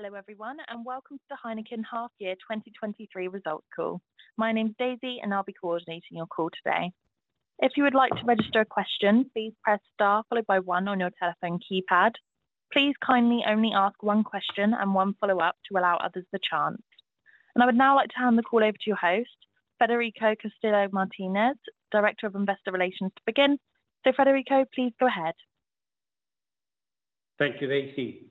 Hello, everyone, welcome to the Heineken Half Year 2023 Results Call. My name is Daisy, and I'll be coordinating your call today. If you would like to register a question, please press star followed by one on your telephone keypad. Please kindly only ask one question and one follow-up to allow others the chance. I would now like to hand the call over to your host, Federico Castillo Martinez, Director of Investor Relations, to begin. Federico, please go ahead. Thank you, Daisy.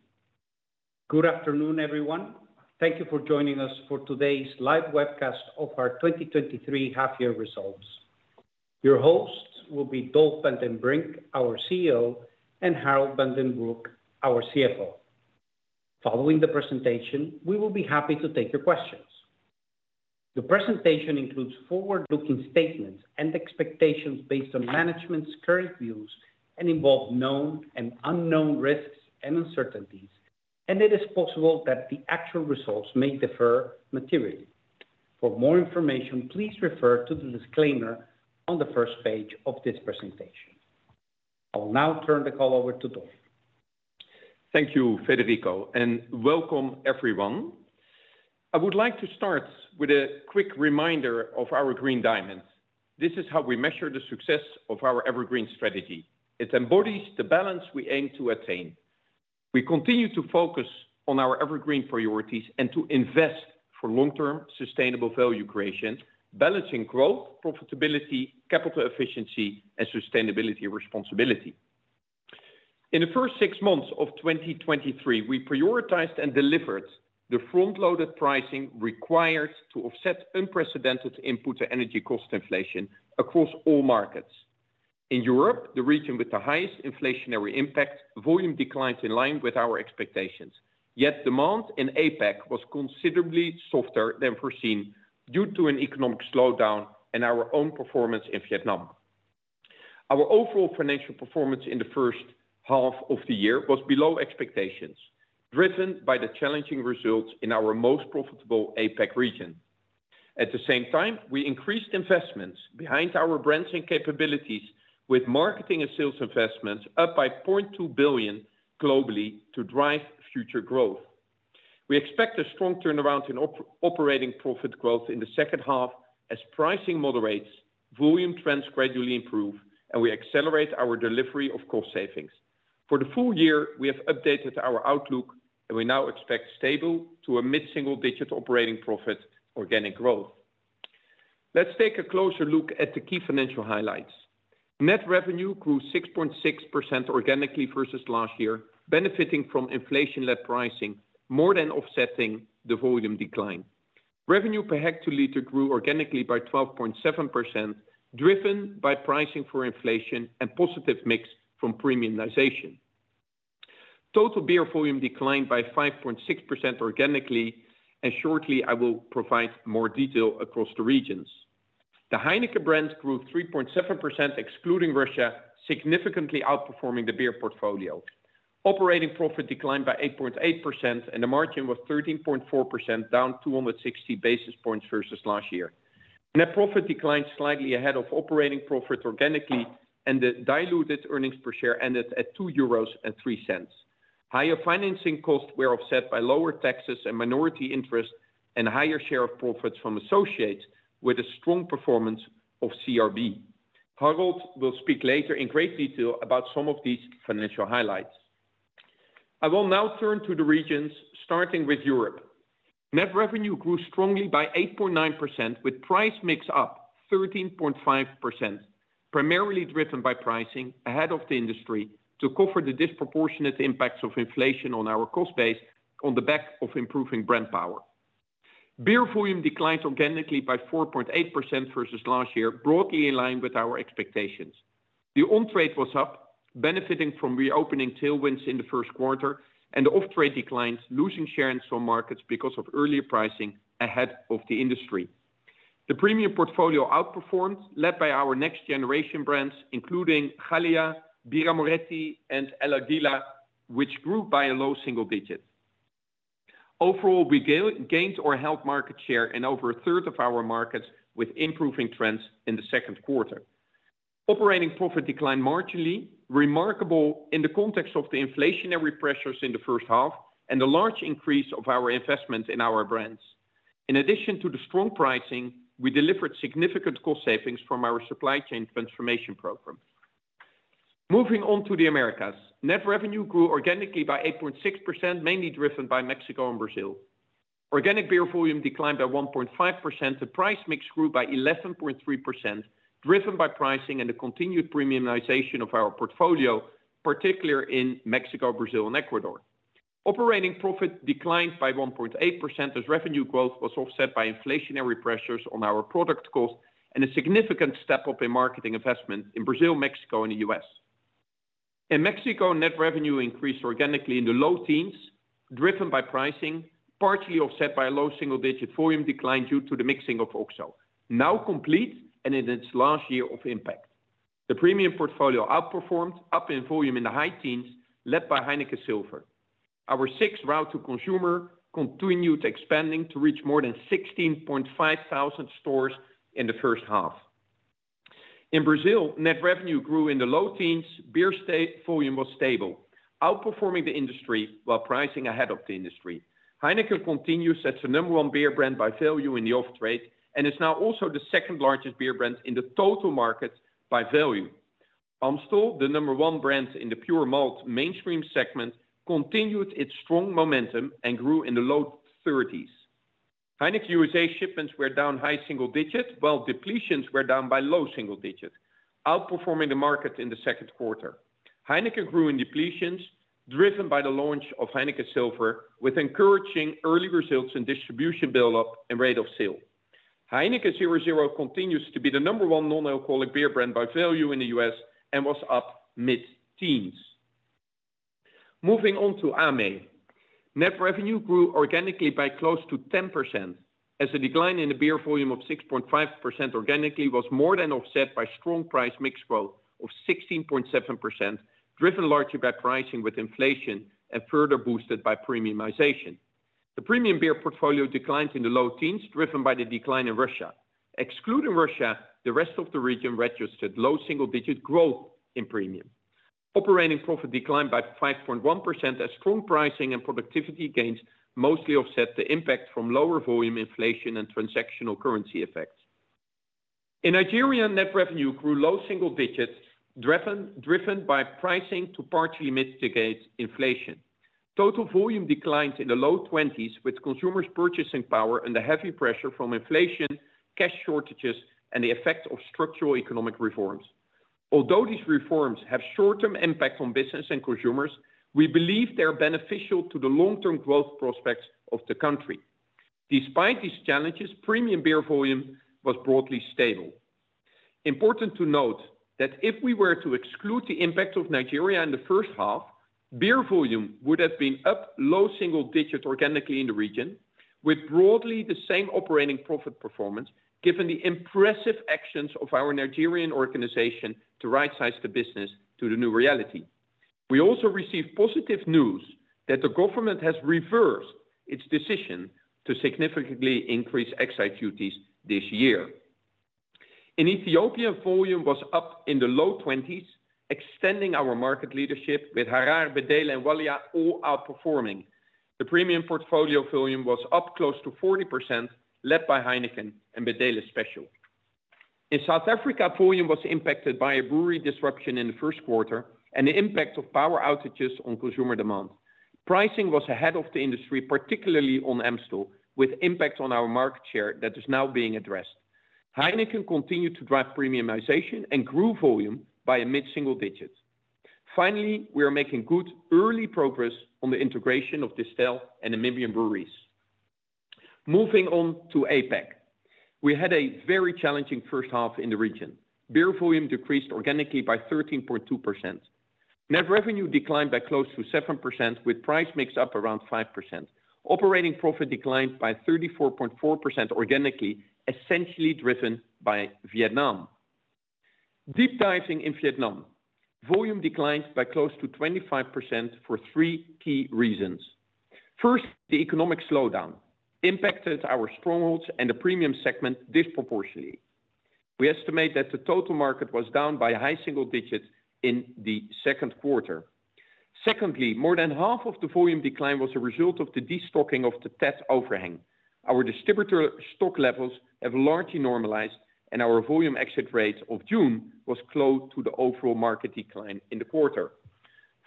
Good afternoon, everyone. Thank you for joining us for today's live webcast of our 2023 half year results. Your hosts will be Dolf van den Brink, our CEO, and Harold van den Broek, our CFO. Following the presentation, we will be happy to take your questions. The presentation includes forward-looking statements and expectations based on management's current views and involve known and unknown risks and uncertainties. It is possible that the actual results may differ materially. For more information, please refer to the disclaimer on the first page of this presentation. I will now turn the call over to Dolf. Thank you, Federico. Welcome, everyone. I would like to start with a quick reminder of our Green Diamond. This is how we measure the success of our EverGreen strategy. It embodies the balance we aim to attain. We continue to focus on our EverGreen priorities and to invest for long-term sustainable value creation, balancing growth, profitability, capital efficiency, and sustainability responsibility. In the 1st 6 months of 2023, we prioritized and delivered the front-loaded pricing required to offset unprecedented input and energy cost inflation across all markets. In Europe, the region with the highest inflationary impact, volume declined in line with our expectations, yet demand in APAC was considerably softer than foreseen due to an economic slowdown and our own performance in Vietnam. Our overall financial performance in the 1st half of the year was below expectations, driven by the challenging results in our most profitable APAC region. At the same time, we increased investments behind our brands and capabilities with marketing and sales investments up by 0.2 billion globally to drive future growth. We expect a strong turnaround in operating profit growth in the second half as pricing moderates, volume trends gradually improve, and we accelerate our delivery of cost savings. For the full year, we have updated our outlook, and we now expect stable to a mid-single-digit operating profit organic growth. Let's take a closer look at the key financial highlights. Net revenue grew 6.6% organically versus last year, benefiting from inflation-led pricing, more than offsetting the volume decline. Revenue per hectoliter grew organically by 12.7%, driven by pricing for inflation and positive mix from premiumization. Total beer volume declined by 5.6% organically, and shortly, I will provide more detail across the regions. The Heineken brands grew 3.7%, excluding Russia, significantly outperforming the beer portfolio. Operating profit declined by 8.8%, and the margin was 13.4%, down 260 basis points versus last year. Net profit declined slightly ahead of operating profit organically, and the diluted earnings per share ended at 2.03 euros. Higher financing costs were offset by lower taxes and minority interests and higher share of profits from associates with a strong performance of CRB. Harold will speak later in great detail about some of these financial highlights. I will now turn to the regions, starting with Europe. Net revenue grew strongly by 8.9%, with price mix up 13.5%, primarily driven by pricing ahead of the industry to cover the disproportionate impacts of inflation on our cost base on the back of improving brand power. Beer volume declined organically by 4.8% versus last year, broadly in line with our expectations. The on-trade was up, benefiting from reopening tailwinds in the first quarter, and the off-trade declines, losing share in some markets because of earlier pricing ahead of the industry. The premium portfolio outperformed, led by our next-generation brands, including Gallia, Birra Moretti, and El Águila, which grew by a low single digits. Overall, we gained or held market share in over a third of our markets, with improving trends in the second quarter. Operating profit declined marginally, remarkable in the context of the inflationary pressures in the first half and the large increase of our investment in our brands. In addition to the strong pricing, we delivered significant cost savings from our supply chain transformation program. Moving on to the Americas. Net revenue grew organically by 8.6%, mainly driven by Mexico and Brazil. Organic beer volume declined by 1.5%, the price mix grew by 11.3%, driven by pricing and the continued premiumization of our portfolio, particularly in Mexico, Brazil and Ecuador. Operating profit declined by 1.8% as revenue growth was offset by inflationary pressures on our product cost and a significant step-up in marketing investment in Brazil, Mexico, and the U.S. In Mexico, net revenue increased organically in the low teens, driven by pricing, partially offset by a low single-digit volume decline due to the mixing of OXXO, now complete and in its last year of impact. The premium portfolio outperformed, up in volume in the high teens, led by Heineken Silver. Our sixth route to consumer continued expanding to reach more than 16,500 stores in the first half. In Brazil, net revenue grew in the low teens. Beer state volume was stable, outperforming the industry while pricing ahead of the industry. Heineken continues as the number one beer brand by value in the off-trade, and is now also the 2nd largest beer brand in the total market by value. Amstel, the number one brand in the pure malt mainstream segment, continued its strong momentum and grew in the low thirties. Heineken USA shipments were down high single digits, while depletions were down by low single digits, outperforming the market in the second quarter. Heineken grew in depletions, driven by the launch of Heineken Silver, with encouraging early results in distribution build-up and rate of sale. Heineken 0.0 continues to be the number one non-alcoholic beer brand by value in the U.S. and was up mid-teens. Moving on to AME. Net revenue grew organically by close to 10%, as the decline in the beer volume of 6.5% organically was more than offset by strong price mix growth of 16.7%, driven largely by pricing with inflation and further boosted by premiumization. The premium beer portfolio declined in the low teens, driven by the decline in Russia. Excluding Russia, the rest of the region registered low single-digit growth in premium. Operating profit declined by 5.1%, as strong pricing and productivity gains mostly offset the impact from lower volume inflation and transactional currency effects. In Nigeria, net revenue grew low single digits, driven by pricing to partially mitigate inflation. Total volume declined in the low 20s, with consumers' purchasing power and the heavy pressure from inflation, cash shortages, and the effects of structural economic reforms. These reforms have short-term impact on business and consumers, we believe they are beneficial to the long-term growth prospects of the country. Despite these challenges, premium beer volume was broadly stable. Important to note that if we were to exclude the impact of Nigeria in the first half, beer volume would have been up low single digits organically in the region, with broadly the same operating profit performance, given the impressive actions of our Nigerian organization to rightsize the business to the new reality. We also received positive news that the government has reversed its decision to significantly increase excise duties this year. In Ethiopia, volume was up in the low 20s, extending our market leadership with Harar, Bedele, and Walia all outperforming. The premium portfolio volume was up close to 40%, led by Heineken and Bedele Special. In South Africa, volume was impacted by a brewery disruption in the first quarter and the impact of power outages on consumer demand. Pricing was ahead of the industry, particularly on Amstel, with impact on our market share that is now being addressed. Heineken continued to drive premiumization and grew volume by a mid-single digits. Finally, we are making good early progress on the integration of Distell and Namibia Breweries. Moving on to APAC. We had a very challenging first half in the region. Beer volume decreased organically by 13.2%. Net revenue declined by close to 7%, with price mix up around 5%. Operating profit declined by 34.4% organically, essentially driven by Vietnam. Deep diving in Vietnam, volume declined by close to 25% for three key reasons. First, the economic slowdown impacted our strongholds and the premium segment disproportionately. We estimate that the total market was down by high single digits in the second quarter. Secondly, more than half of the volume decline was a result of the destocking of the Tet overhang. Our distributor stock levels have largely normalized. Our volume exit rate of June was close to the overall market decline in the quarter.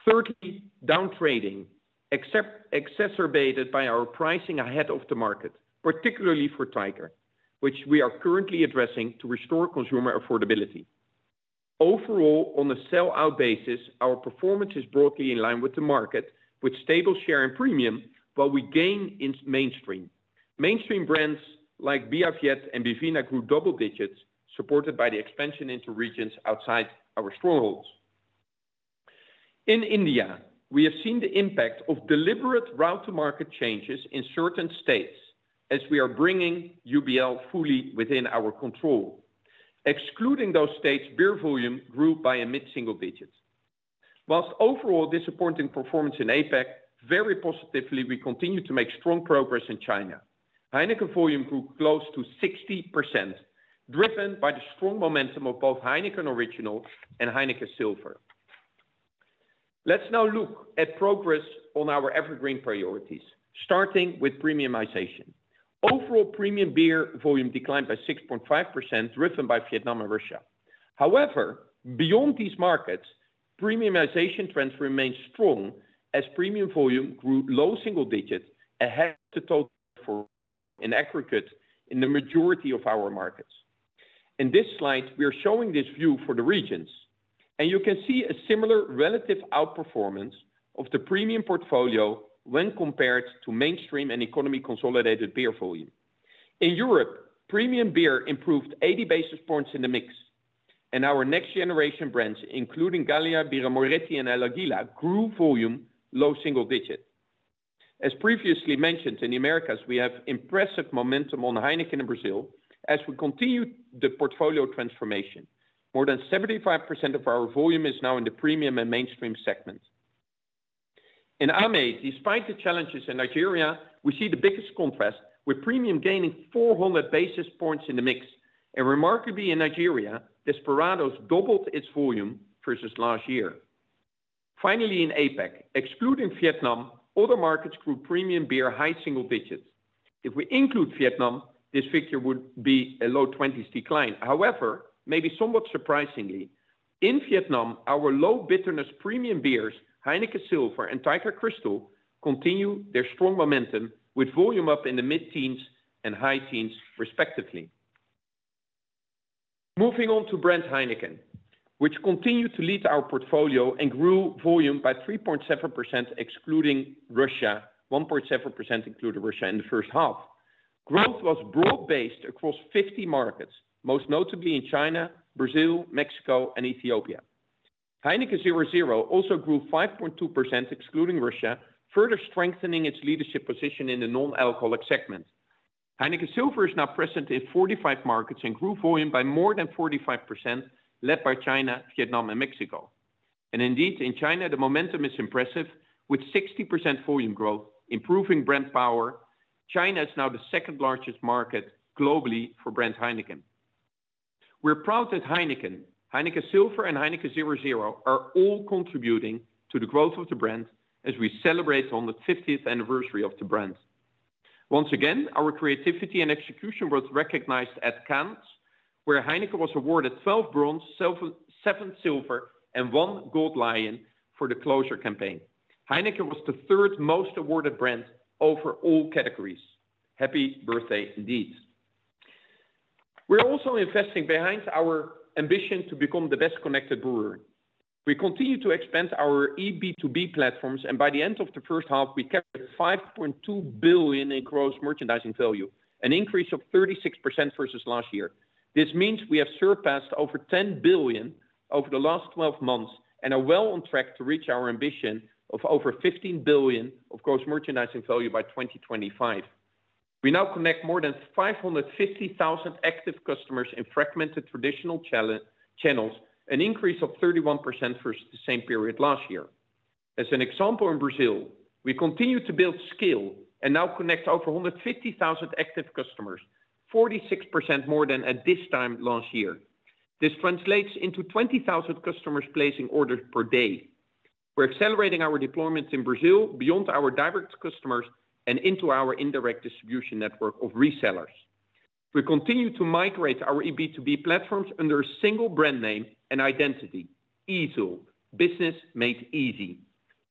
Thirdly, downtrading, exacerbated by our pricing ahead of the market, particularly for Tiger, which we are currently addressing to restore consumer affordability. Overall, on a sell-out basis, our performance is broadly in line with the market, with stable share and premium, while we gain in mainstream. Mainstream brands like Bia Viet and Bivina grew double digits, supported by the expansion into regions outside our strongholds. In India, we have seen the impact of deliberate route to market changes in certain states as we are bringing UBL fully within our control. Excluding those states, beer volume grew by a mid-single digits. Overall disappointing performance in APAC, very positively, we continue to make strong progress in China. Heineken volume grew close to 60%, driven by the strong momentum of both Heineken Original and Heineken Silver. Let's now look at progress on our EverGreen priorities, starting with premiumization. Overall, premium beer volume declined by 6.5%, driven by Vietnam and Russia. Beyond these markets, premiumization trends remain strong as premium volume grew low single digits ahead of the total in aggregate in the majority of our markets. In this slide, we are showing this view for the regions, you can see a similar relative outperformance of the premium portfolio when compared to mainstream and economy consolidated beer volume. In Europe, premium beer improved 80 basis points in the mix, our next generation brands, including Gallia, Birra Moretti, and El Águila, grew volume low single digits. As previously mentioned, in the Americas, we have impressive momentum on Heineken in Brazil, as we continue the portfolio transformation. More than 75% of our volume is now in the premium and mainstream segments. In AME, despite the challenges in Nigeria, we see the biggest compress, with premium gaining 400 basis points in the mix. Remarkably, in Nigeria, Desperados doubled its volume versus last year. Finally, in APAC, excluding Vietnam, other markets grew premium beer high single digits. If we include Vietnam, this figure would be a low 20s decline. However, maybe somewhat surprisingly, in Vietnam, our low bitterness premium beers, Heineken Silver and Tiger Crystal, continue their strong momentum, with volume up in the mid-teens and high teens, respectively. Moving on to brand Heineken, which continued to lead our portfolio and grew volume by 3.7%, excluding Russia, 1.7%, including Russia in the first half. Growth was broad-based across 50 markets, most notably in China, Brazil, Mexico and Ethiopia. Heineken 0.0 also grew 5.2%, excluding Russia, further strengthening its leadership position in the non-alcoholic segment. Heineken Silver is now present in 45 markets and grew volume by more than 45%, led by China, Vietnam and Mexico. Indeed, in China, the momentum is impressive, with 60% volume growth, improving brand power. China is now the second largest market globally for brand Heineken. We're proud that Heineken, Heineken Silver and Heineken 0.0 are all contributing to the growth of the brand as we celebrate on the 50th anniversary of the brand. Once again, our creativity and execution was recognized at Cannes, where Heineken was awarded 12 bronze, seven silver, and one gold lion for The Closer campaign. Heineken was the third most awarded brand over all categories. Happy birthday indeed. We're also investing behind our ambition to become the best-connected brewer. We continue to expand our B2B platforms. By the end of the first half, we kept $5.2 billion in gross merchandising value, an increase of 36% versus last year. This means we have surpassed over $10 billion over the last 12 months and are well on track to reach our ambition of over $15 billion of gross merchandising value by 2025. We now connect more than 550,000 active customers in fragmented traditional channels, an increase of 31% versus the same period last year. As an example, in Brazil, we continue to build scale and now connect over 150,000 active customers, 46% more than at this time last year. This translates into 20,000 customers placing orders per day. We're accelerating our deployments in Brazil beyond our direct customers and into our indirect distribution network of resellers. We continue to migrate our B2B platforms under a single brand name and identity, eazle, business made easy.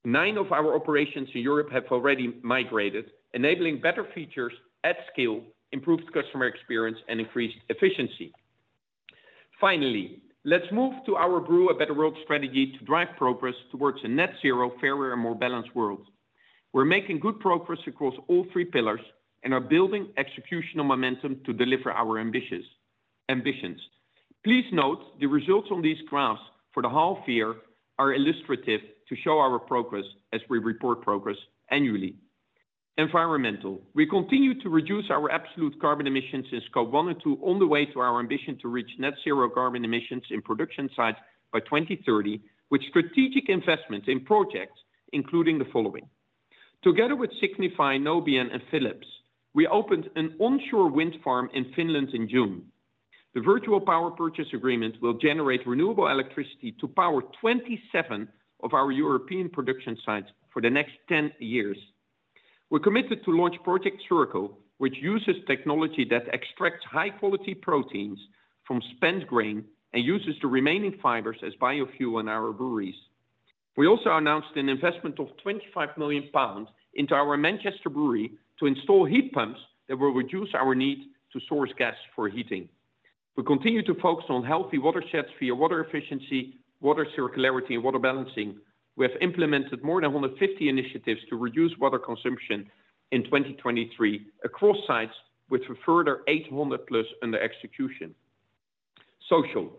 Nine of our operations in Europe have already migrated, enabling better features at scale, improved customer experience and increased efficiency. Finally, let's move to our Brew a Better World strategy to drive progress towards a net zero, fairer and more balanced world. We're making good progress across all three pillars and are building executional momentum to deliver our ambitions. Please note, the results on these graphs for the half year are illustrative to show our progress as we report progress annually. Environmental. We continue to reduce our absolute carbon emissions in Scope one and two, on the way to our ambition to reach net zero carbon emissions in production sites by 2030, with strategic investments in projects, including the following: Together with Signify, Nobian and Philips, we opened an onshore wind farm in Finland in June. The virtual power purchase agreement will generate renewable electricity to power 27 of our European production sites for the next 10 years. We're committed to launch Project Circle, which uses technology that extracts high-quality proteins from spent grain and uses the remaining fibers as biofuel in our breweries. We also announced an investment of 25 million pounds into our Manchester brewery to install heat pumps that will reduce our need to source gas for heating. We continue to focus on healthy watersheds via water efficiency, water circularity, and water balancing. We have implemented more than 150 initiatives to reduce water consumption in 2023 across sites, with a further 800+ under execution. Social.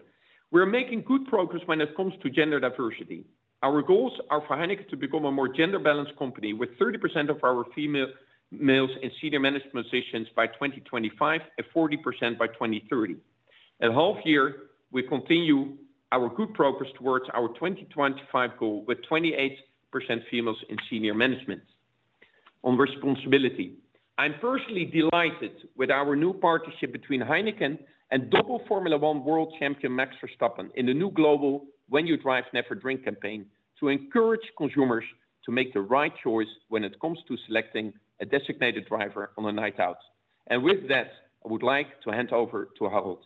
We're making good progress when it comes to gender diversity. Our goals are for Heineken to become a more gender-balanced company, with 30% of our female, males in senior management positions by 2025 and 40% by 2030. At half year, we continue our good progress towards our 2025 goal, with 28% females in senior management. On responsibility. I'm personally delighted with our new partnership between Heineken and double Formula One World Champion, Max Verstappen, in the new global When You Drive, Never Drink campaign, to encourage consumers to make the right choice when it comes to selecting a designated driver on a night out. With that, I would like to hand over to Harold.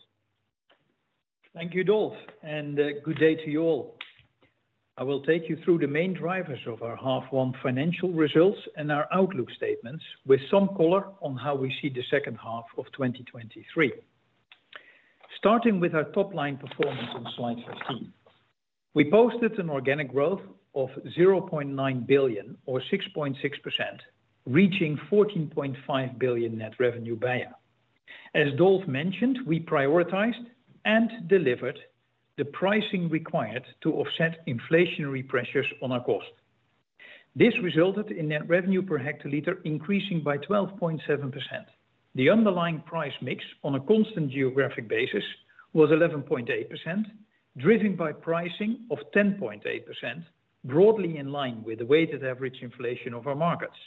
Thank you, Dolf, and good day to you all. I will take you through the main drivers of our half one financial results and our outlook statements with some color on how we see the second half of 2023. Starting with our top-line performance on slide 15. We posted an organic growth of 0.9 billion or 6.6%, reaching 14.5 billion net revenue BEIA. As Dolf mentioned, we prioritized and delivered the pricing required to offset inflationary pressures on our cost. This resulted in net revenue per hectoliter increasing by 12.7%. The underlying price mix on a constant geographic basis was 11.8%... driven by pricing of 10.8%, broadly in line with the weighted average inflation of our markets.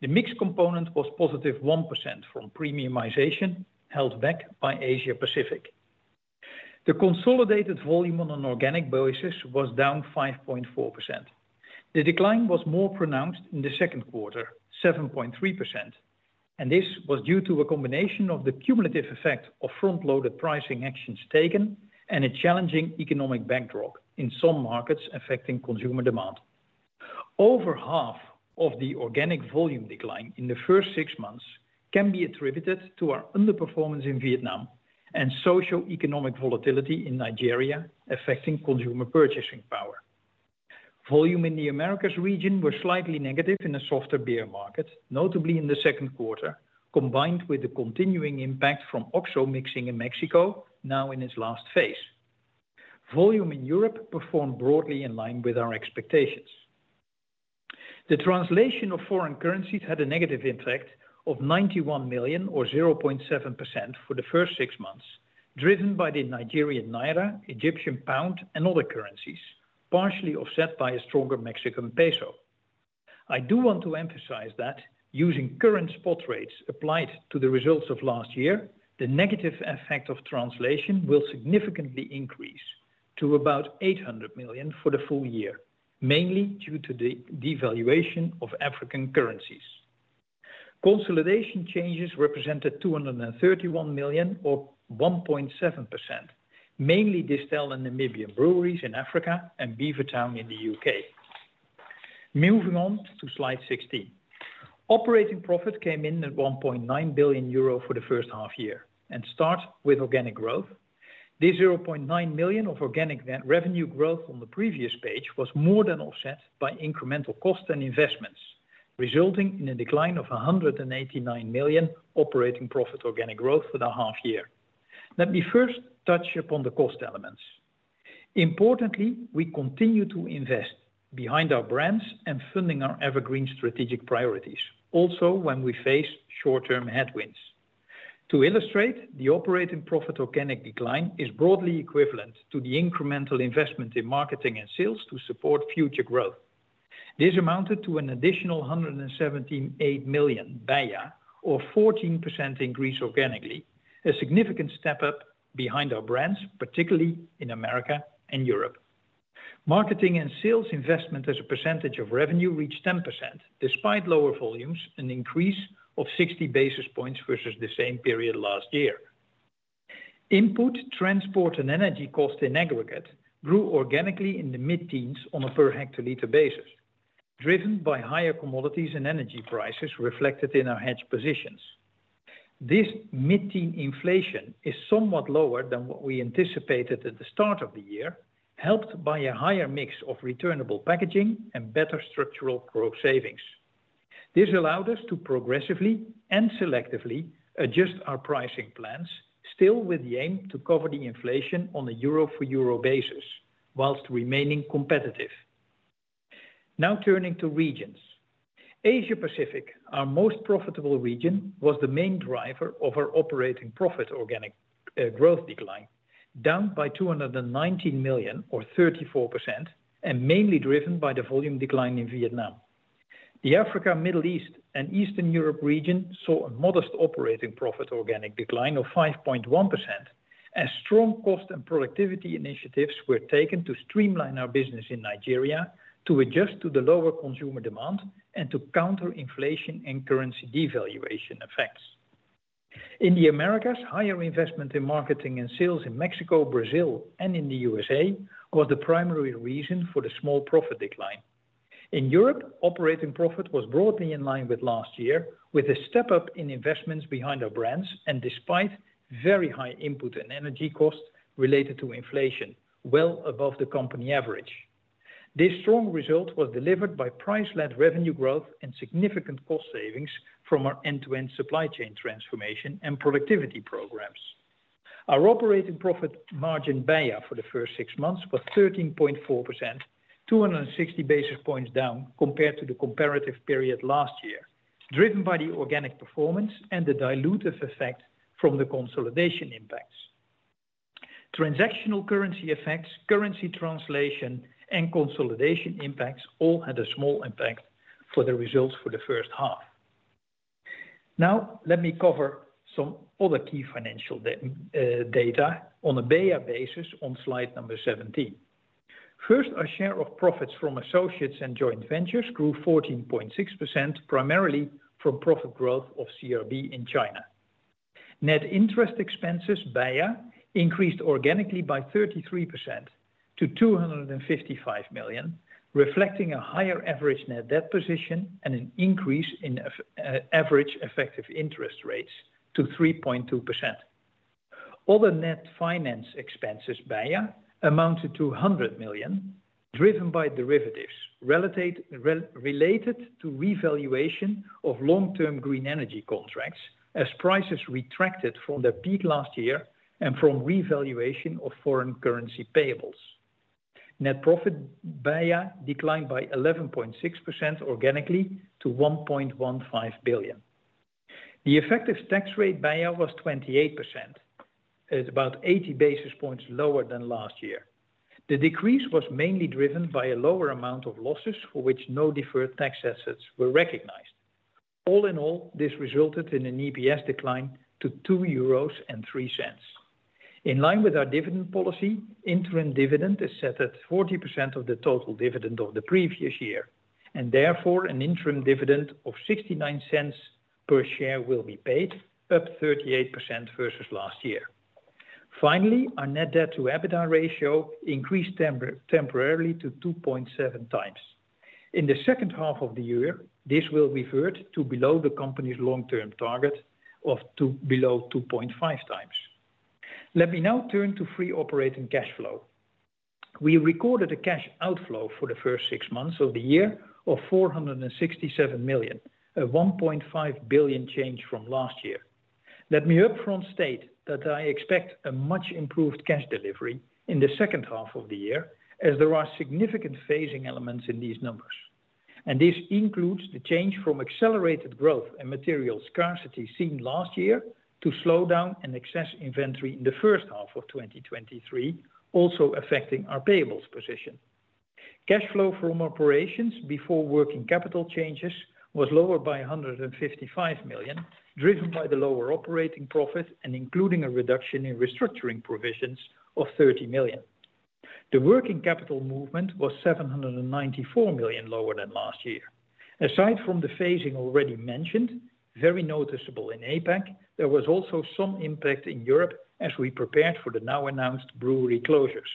The mix component was positive 1% from premiumization, held back by Asia Pacific. The consolidated volume on an organic basis was down 5.4%. The decline was more pronounced in the second quarter, 7.3%, and this was due to a combination of the cumulative effect of front-loaded pricing actions taken and a challenging economic backdrop in some markets affecting consumer demand. Over half of the organic volume decline in the first six months can be attributed to our underperformance in Vietnam and socioeconomic volatility in Nigeria, affecting consumer purchasing power. Volume in the Americas region was slightly negative in a softer beer market, notably in the second quarter, combined with the continuing impact from OXXO mixing in Mexico, now in its last phase. Volume in Europe performed broadly in line with our expectations. The translation of foreign currencies had a negative impact of 91 million, or 0.7% for the first six months, driven by the Nigerian naira, Egyptian pound, and other currencies, partially offset by a stronger Mexican peso. I do want to emphasize that using current spot rates applied to the results of last year, the negative effect of translation will significantly increase to about 800 million for the full year, mainly due to the devaluation of African currencies. Consolidation changes represented 231 million, or 1.7%, mainly Distell and Namibia Breweries in Africa and Beavertown in the U.K. Moving on to Slide 16. Operating profit came in at 1.9 billion euro for the first half-year. Start with organic growth. This 0.9 million of organic revenue growth on the previous page was more than offset by incremental costs and investments, resulting in a decline of 189 million operating profit organic growth for the half year. Let me first touch upon the cost elements. Importantly, we continue to invest behind our brands and funding our EverGreen strategic priorities, also when we face short-term headwinds. To illustrate, the operating profit organic decline is broadly equivalent to the incremental investment in marketing and sales to support future growth. This amounted to an additional 178 million BEIA, or 14% increase organically, a significant step up behind our brands, particularly in Americas and Europe. Marketing and sales investment as a percentage of revenue reached 10%, despite lower volumes, an increase of 60 basis points versus the same period last year. Input, transport, and energy costs in aggregate grew organically in the mid-teens on a per hectoliter basis, driven by higher commodities and energy prices reflected in our hedge positions. This mid-teen inflation is somewhat lower than what we anticipated at the start of the year, helped by a higher mix of returnable packaging and better structural cost savings. This allowed us to progressively and selectively adjust our pricing plans, still with the aim to cover the inflation on a euro-for-euro basis while remaining competitive. Now, turning to regions. Asia Pacific, our most profitable region, was the main driver of our operating profit organic growth decline, down by 219 million, or 34%, and mainly driven by the volume decline in Vietnam. The Africa, Middle East, and Eastern Europe region saw a modest operating profit organic decline of 5.1%, as strong cost and productivity initiatives were taken to streamline our business in Nigeria, to adjust to the lower consumer demand, and to counter inflation and currency devaluation effects. In the Americas, higher investment in marketing and sales in Mexico, Brazil, and in the USA were the primary reason for the small profit decline. In Europe, operating profit was broadly in line with last year, with a step up in investments behind our brands and despite very high input and energy costs related to inflation, well above the company average. This strong result was delivered by price-led revenue growth and significant cost savings from our end-to-end supply chain transformation and productivity programs. Our operating profit margin BEIA for the first six months was 13.4%, 260 basis points down compared to the comparative period last year, driven by the organic performance and the dilutive effect from the consolidation impacts. Transactional currency effects, currency translation, and consolidation impacts all had a small impact for the results for the first half. Now, let me cover some other key financial data on a BEIA basis on slide number 17. First, our share of profits from associates and joint ventures grew 14.6%, primarily from profit growth of CRB in China. Net interest expenses, BEIA, increased organically by 33% to 255 million, reflecting a higher average net debt position and an increase in average effective interest rates to 3.2%. Other net finance expenses, BEIA, amounted to 100 million, driven by derivatives related to revaluation of long-term green energy contracts, as prices retracted from their peak last year and from revaluation of foreign currency payable. Net profit, BEIA, declined by 11.6% organically to 1.15 billion. The effective tax rate, BEIA, was 28%. It's about 80 basis points lower than last year. The decrease was mainly driven by a lower amount of losses for which no deferred tax assets were recognized. All in all, this resulted in an EPS decline to 2.03 euros. In line with our dividend policy, interim dividend is set at 40% of the total dividend of the previous year. Therefore, an interim dividend of 0.69 per share will be paid, up 38% versus last year. Finally, our net debt to EBITDA ratio increased temporarily to 2.7x. In the second half of the year, this will revert to below the company's long-term target of below 2.5x. Let me now turn to free operating cash flow. We recorded a cash outflow for the first six months of the year of 467 million, a 1.5 billion change from last year. Let me upfront state that I expect a much improved cash delivery in the second half of the year, as there are significant phasing elements in these numbers. This includes the change from accelerated growth and material scarcity seen last year to slow down and excess inventory in the first half of 2023, also affecting our payables position. Cash flow from operations before working capital changes was lower by 155 million, driven by the lower operating profit and including a reduction in restructuring provisions of 30 million. The working capital movement was 794 million lower than last year. Aside from the phasing already mentioned, very noticeable in APAC, there was also some impact in Europe as we prepared for the now announced brewery closures.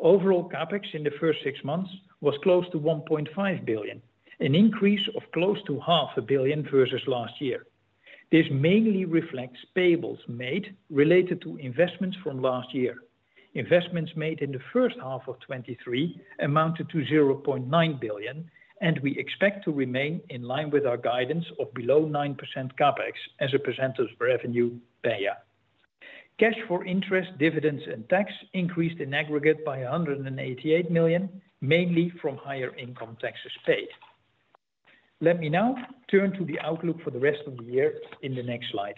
Overall, CapEx in the first six months was close to 1.5 billion, an increase of close to 0.5 billion versus last year. This mainly reflects payables made related to investments from last year. Investments made in the first half of 2023 amounted to 0.9 billion, and we expect to remain in line with our guidance of below 9% CapEx as a percentage of revenue BEIA. Cash for interest, dividends and tax increased in aggregate by 188 million, mainly from higher income taxes paid. Let me now turn to the outlook for the rest of the year in the next slide.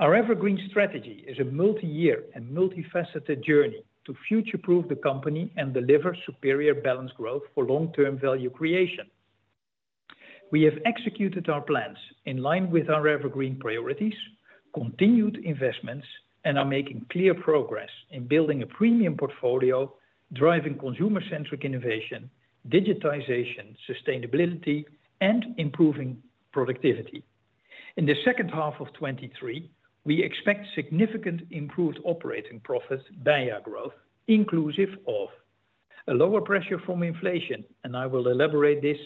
Our EverGreen strategy is a multi-year and multifaceted journey to future-proof the company and deliver superior balanced growth for long-term value creation. We have executed our plans in line with our EverGreen priorities, continued investments, and are making clear progress in building a premium portfolio, driving consumer-centric innovation, digitization, sustainability, and improving productivity. In the second half of 2023, we expect significant improved operating profit, BEIA growth, inclusive of a lower pressure from inflation, and I will elaborate this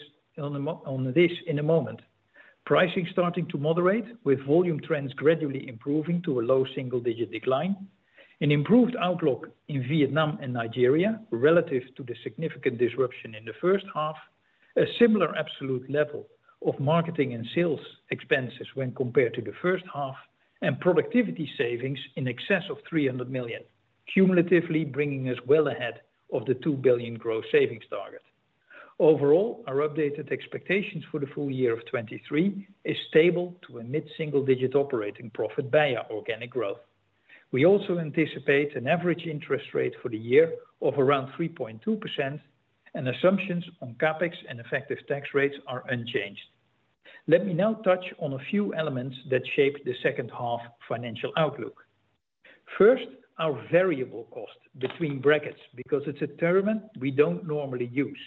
on this in a moment. Pricing starting to moderate, with volume trends gradually improving to a low single-digit decline. An improved outlook in Vietnam and Nigeria relative to the significant disruption in the first half. Productivity savings in excess of 300 million, cumulatively bringing us well ahead of the 2 billion growth savings target. Overall, our updated expectations for the full year of 2023 is stable to a mid-single-digit operating profit by our organic growth. We also anticipate an average interest rate for the year of around 3.2%, and assumptions on CapEx and effective tax rates are unchanged. Let me now touch on a few elements that shape the second half financial outlook. First, our variable cost between brackets, because it's a term we don't normally use,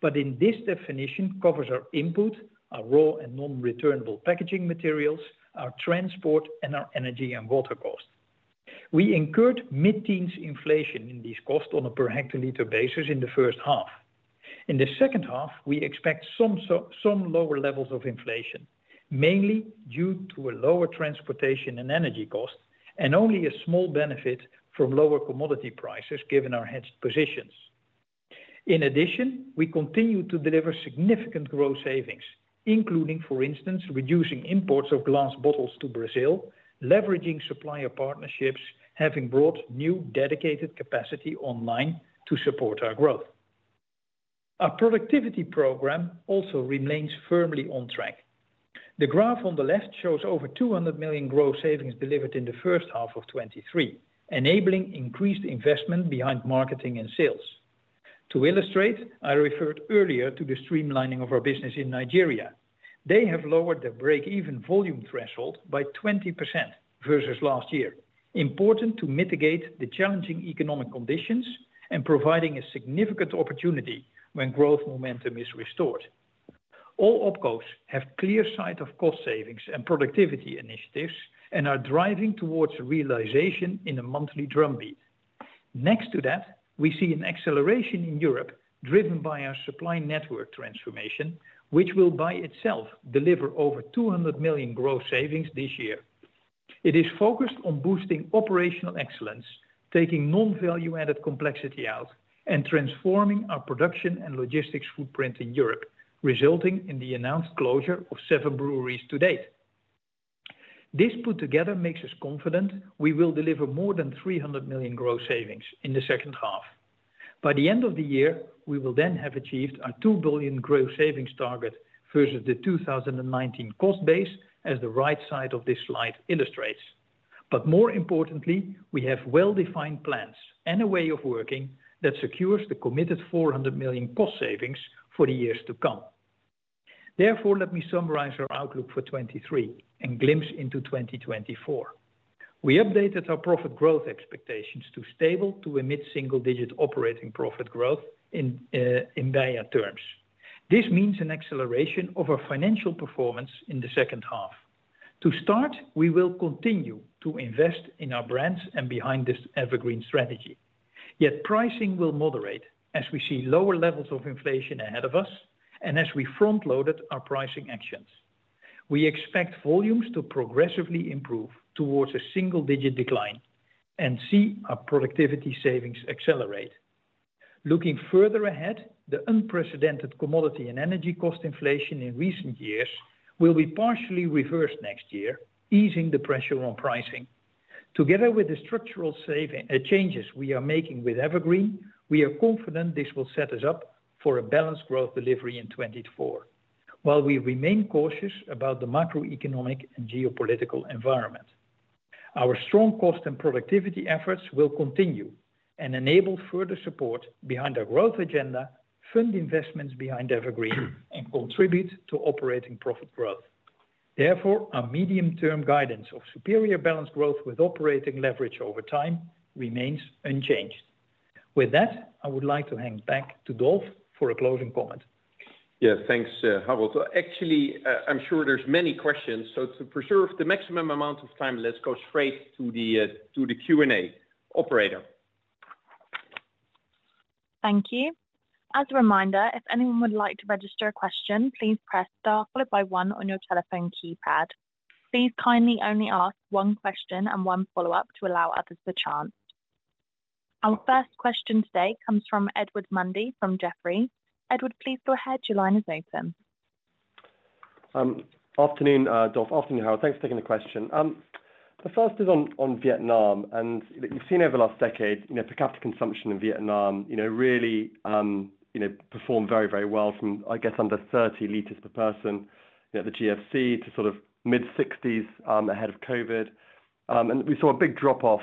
but in this definition, covers our input, our raw and non-returnable packaging materials, our transport, and our energy and water costs. We incurred mid-teens inflation in these costs on a per hectoliter basis in the first half. In the second half, we expect some lower levels of inflation, mainly due to a lower transportation and energy cost, and only a small benefit from lower commodity prices, given our hedged positions. In addition, we continue to deliver significant growth savings, including, for instance, reducing imports of glass bottles to Brazil, leveraging supplier partnerships, having brought new dedicated capacity online to support our growth. Our productivity program also remains firmly on track. The graph on the left shows over 200 million growth savings delivered in the first half of 2023, enabling increased investment behind marketing and sales. To illustrate, I referred earlier to the streamlining of our business in Nigeria. They have lowered their break-even volume threshold by 20% versus last year. Important to mitigate the challenging economic conditions and providing a significant opportunity when growth momentum is restored. All OpCos have clear sight of cost savings and productivity initiatives and are driving towards realization in a monthly drumbeat. Next to that, we see an acceleration in Europe, driven by our supply network transformation, which will by itself deliver over 200 million gross savings this year. It is focused on boosting operational excellence, taking non-value-added complexity out, and transforming our production and logistics footprint in Europe, resulting in the announced closure of seven breweries to date. This put together makes us confident we will deliver more than 300 million gross savings in the second half. By the end of the year, we will then have achieved our 2 billion gross savings target versus the 2019 cost base, as the right side of this slide illustrates. More importantly, we have well-defined plans and a way of working that secures the committed 400 million cost savings for the years to come. Therefore, let me summarize our outlook for 2023 and glimpse into 2024. We updated our profit growth expectations to stable to mid-single-digit operating profit growth in BEIA terms. This means an acceleration of our financial performance in the second half. To start, we will continue to invest in our brands and behind this EverGreen strategy. Pricing will moderate as we see lower levels of inflation ahead of us and as we front-loaded our pricing actions. We expect volumes to progressively improve towards a single-digit decline and see our productivity savings accelerate. Looking further ahead, the unprecedented commodity and energy cost inflation in recent years will be partially reversed next year, easing the pressure on pricing. Together with the structural saving changes we are making with EverGreen, we are confident this will set us up for a balanced growth delivery in 2024, while we remain cautious about the macroeconomic and geopolitical environment. Our strong cost and productivity efforts will continue and enable further support behind our growth agenda, fund investments behind EverGreen, and contribute to operating profit growth. Our medium-term guidance of superior balanced growth with operating leverage over time remains unchanged. With that, I would like to hand back to Dolf for a closing comment. Yeah, thanks, Harold. Actually, I'm sure there's many questions, so to preserve the maximum amount of time, let's go straight to the Q&A. Operator? Thank you. As a reminder, if anyone would like to register a question, please press Star followed by one on your telephone keypad. Please kindly only ask one question and one follow-up to allow others the chance. Our first question today comes from Edward Mundy, from Jefferies. Edward, please go ahead. Your line is open. Afternoon, Dolf. Afternoon, Harold. Thanks for taking the question. The first is on, on Vietnam, that you've seen over the last decade, you know, per capita consumption in Vietnam, you know, really, you know, performed very, very well from, I guess, under 30 liters per person, you know, the GFC to sort of mid-60s, ahead of COVID. We saw a big drop-off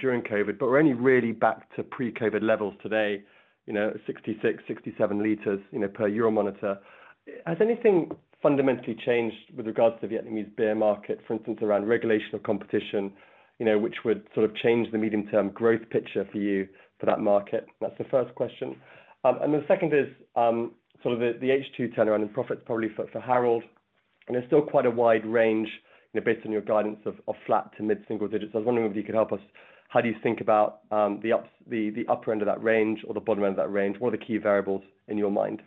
during COVID, but we're only really back to pre-COVID levels today, you know, 66, 67 liters, you know, per Euromonitor. Has anything fundamentally changed with regards to Vietnamese beer market, for instance, around regulation of competition, you know, which would sort of change the medium-term growth picture for you for that market? That's the first question. The second is sort of the, the H2 turnaround in profits, probably for, for Harold. There's still quite a wide range, you know, based on your guidance of, of flat to mid single digits. I was wondering if you could help us. How do you think about the upper end of that range or the bottom end of that range? What are the key variables in your mind?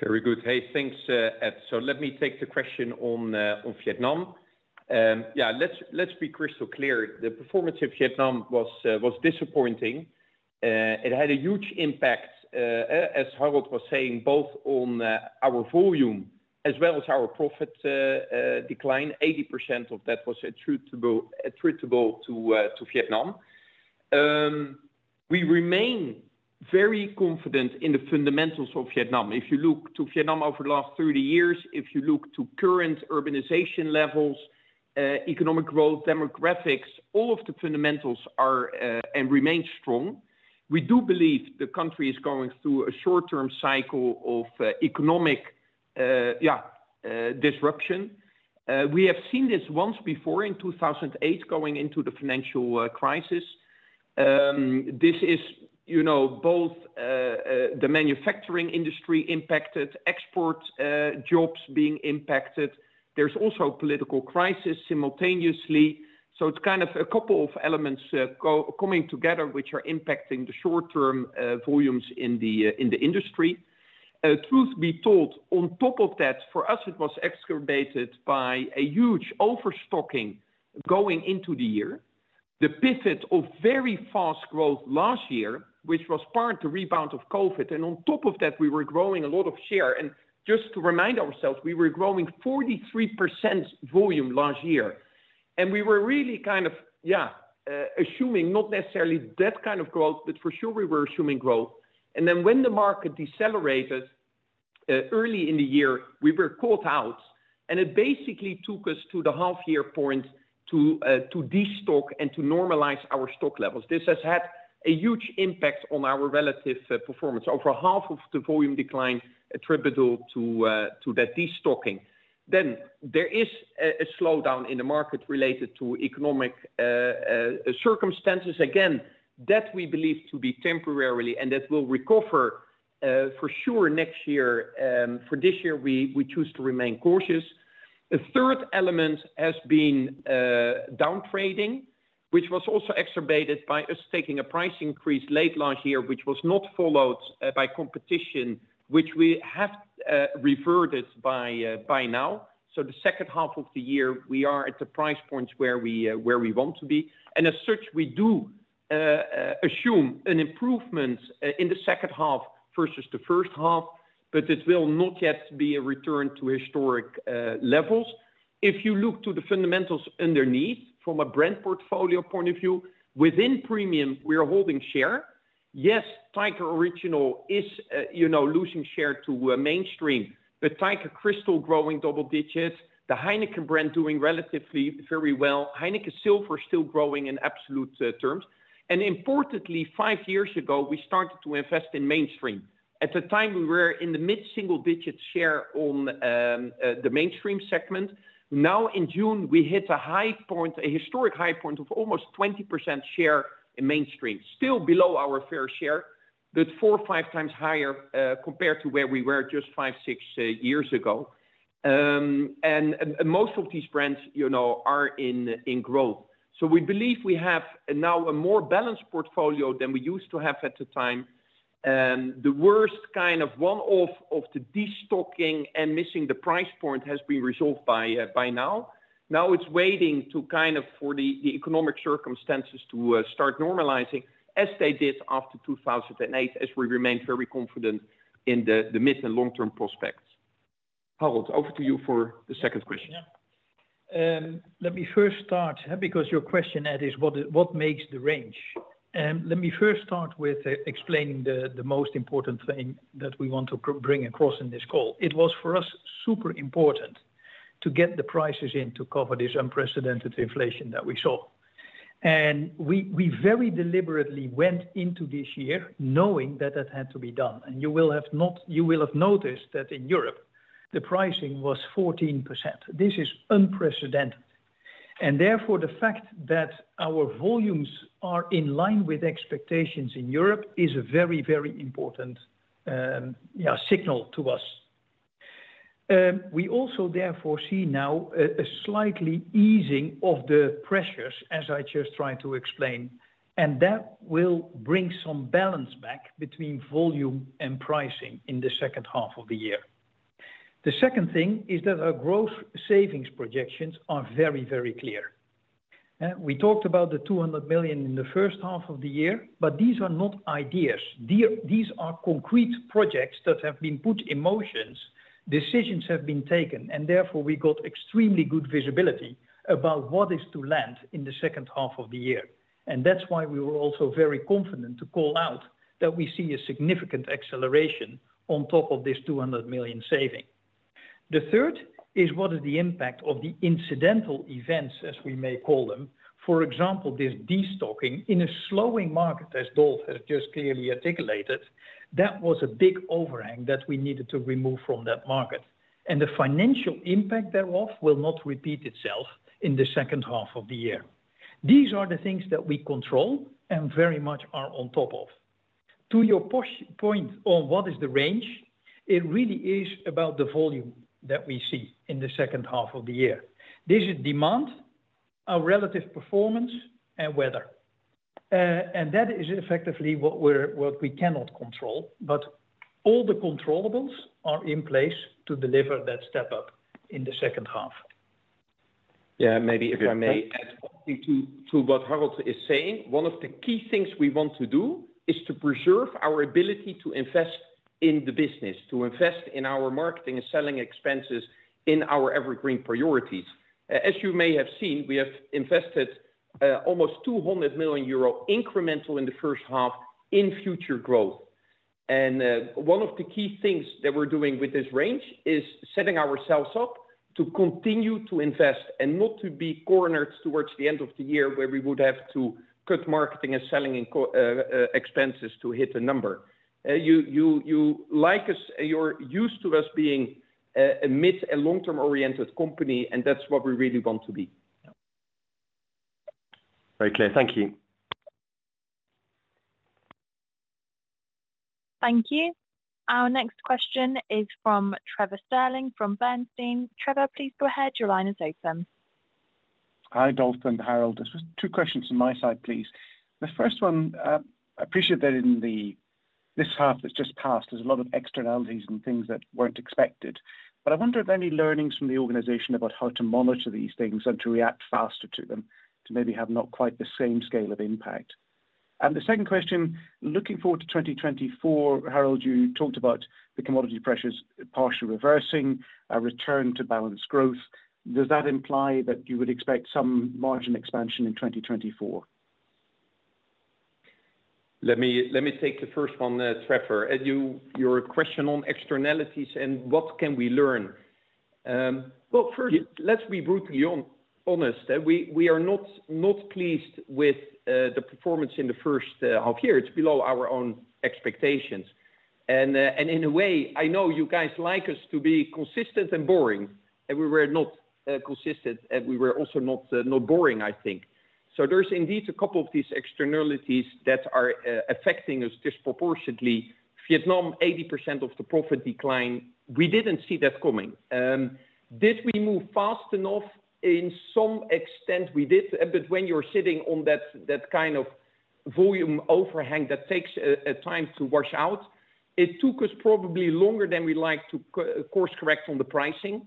Very good. Hey, thanks, Ed. Let me take the question on Vietnam. Yeah, let's, let's be crystal clear. The performance of Vietnam was disappointing. It had a huge impact, as Harold was saying, both on our volume as well as our profit decline. 80% of that was attributable, attributable to Vietnam. We remain very confident in the fundamentals of Vietnam. If you look to Vietnam over the last 30 years, if you look to current urbanization levels, economic growth, demographics, all of the fundamentals are and remain strong. We do believe the country is going through a short-term cycle of economic, yeah, disruption. We have seen this once before in 2008, going into the financial crisis. This is, you know, both, the manufacturing industry impacted, exports, jobs being impacted. There's also a political crisis simultaneously. It's kind of a couple of elements coming together, which are impacting the short-term volumes in the industry. Truth be told, on top of that, for us, it was exacerbated by a huge overstocking going into the year. The pivot of very fast growth last year, which was part to rebound of COVID, on top of that, we were growing a lot of share. Just to remind ourselves, we were growing 43% volume last year, and we were really kind of, yeah, assuming not necessarily that kind of growth, but for sure, we were assuming growth. When the market decelerated early in the year, we were caught out, and it basically took us to the half-year point to destock and to normalize our stock levels. This has had a huge impact on our relative performance. Over half of the volume decline attributable to that destocking. There is a slowdown in the market related to economic circumstances. Again, that we believe to be temporarily and that will recover for sure next year. For this year, we choose to remain cautious. The third element has been downtrading, which was also exacerbated by us taking a price increase late last year, which was not followed by competition, which we have reverted by now. The second half of the year, we are at the price point where we, where we want to be, and as such, we assume an improvement in the second half versus the first half, but it will not yet be a return to historic levels. If you look to the fundamentals underneath from a brand portfolio point of view, within premium, we are holding share. Yes, Tiger Original is, you know, losing share to mainstream, but Tiger Crystal growing double digits, the Heineken brand doing relatively very well. Heineken Silver still growing in absolute terms. Importantly, five years ago, we started to invest in mainstream. At the time, we were in the mid-single digits share on the mainstream segment. Now, in June, we hit a high point, a historic high point of almost 20% share in mainstream. Still below our fair share, but four or five times higher, compared to where we were just five, six years ago. And most of these brands, you know, are in growth. So we believe we have now a more balanced portfolio than we used to have at the time. The worst kind of one-off of the destocking and missing the price point has been resolved by now. Now, it's waiting to kind of for the economic circumstances to start normalizing as they did after 2008, as we remain very confident in the mid and long-term prospects. Harold, over to you for the second question. Yeah. Let me first start, because your question, Ed, is what makes the range? Let me first start with explaining the most important thing that we want to bring across in this call. It was, for us, super important to get the prices in to cover this unprecedented inflation that we saw. We, we very deliberately went into this year knowing that that had to be done, and you will have noticed that in Europe, the pricing was 14%. This is unprecedented, and therefore, the fact that our volumes are in line with expectations in Europe is a very, very important, yeah, signal to us. We also therefore see now a slightly easing of the pressures, as I just tried to explain, that will bring some balance back between volume and pricing in the second half of the year. The second thing is that our growth savings projections are very, very clear. We talked about the 200 million in the first half of the year. These are not ideas. These are concrete projects that have been put in motions, decisions have been taken, and therefore, we got extremely good visibility about what is to land in the second half of the year. That's why we were also very confident to call out that we see a significant acceleration on top of this 200 million saving. The third is: What is the impact of the incidental events, as we may call them? For example, this destocking in a slowing market, as Dolf has just clearly articulated, that was a big overhang that we needed to remove from that market, and the financial impact thereof will not repeat itself in the second half of the year. These are the things that we control and very much are on top of. To your point on what is the range, it really is about the volume that we see in the second half of the year. This is demand, our relative performance, and weather. That is effectively what we're, what we cannot control, but all the controllables are in place to deliver that step up in the second half. Yeah, maybe if I may add something to, to what Harold is saying. One of the key things we want to do is to preserve our ability to invest in the business, to invest in our marketing and selling expenses in our EverGreen priorities. As you may have seen, we have invested almost 200 million euro incremental in the first half in future growth. One of the key things that we're doing with this range is setting ourselves up to continue to invest and not to be cornered towards the end of the year, where we would have to cut marketing and selling and expenses to hit a number. You're used to us being a, a mid and long-term oriented company, and that's what we really want to be. Very clear. Thank you. Thank you. Our next question is from Trevor Stirling, from Bernstein. Trevor, please go ahead. Your line is open. Hi, Dolf and Harold. Just two questions from my side, please. The first one, I appreciate that in the, this half that's just passed, there's a lot of externalities and things that weren't expected. I wonder if any learnings from the organization about how to monitor these things and to react faster to them, to maybe have not quite the same scale of impact. The second question, looking forward to 2024, Harold, you talked about the commodity pressures partially reversing, a return to balanced growth. Does that imply that you would expect some margin expansion in 2024? Let me, let me take the first one, Trevor. Ed, your question on externalities and what can we learn? Well, first, let's be brutally honest. We are not pleased with the performance in the first half year. It's below our own expectations. In a way, I know you guys like us to be consistent and boring, and we were not consistent, and we were also not boring, I think. There's indeed a couple of these externalities that are affecting us disproportionately. Vietnam, 80% of the profit decline, we didn't see that coming. Did we move fast enough? In some extent, we did, but when you're sitting on that kind of volume overhang, that takes time to wash out. It took us probably longer than we like to course-correct on the pricing.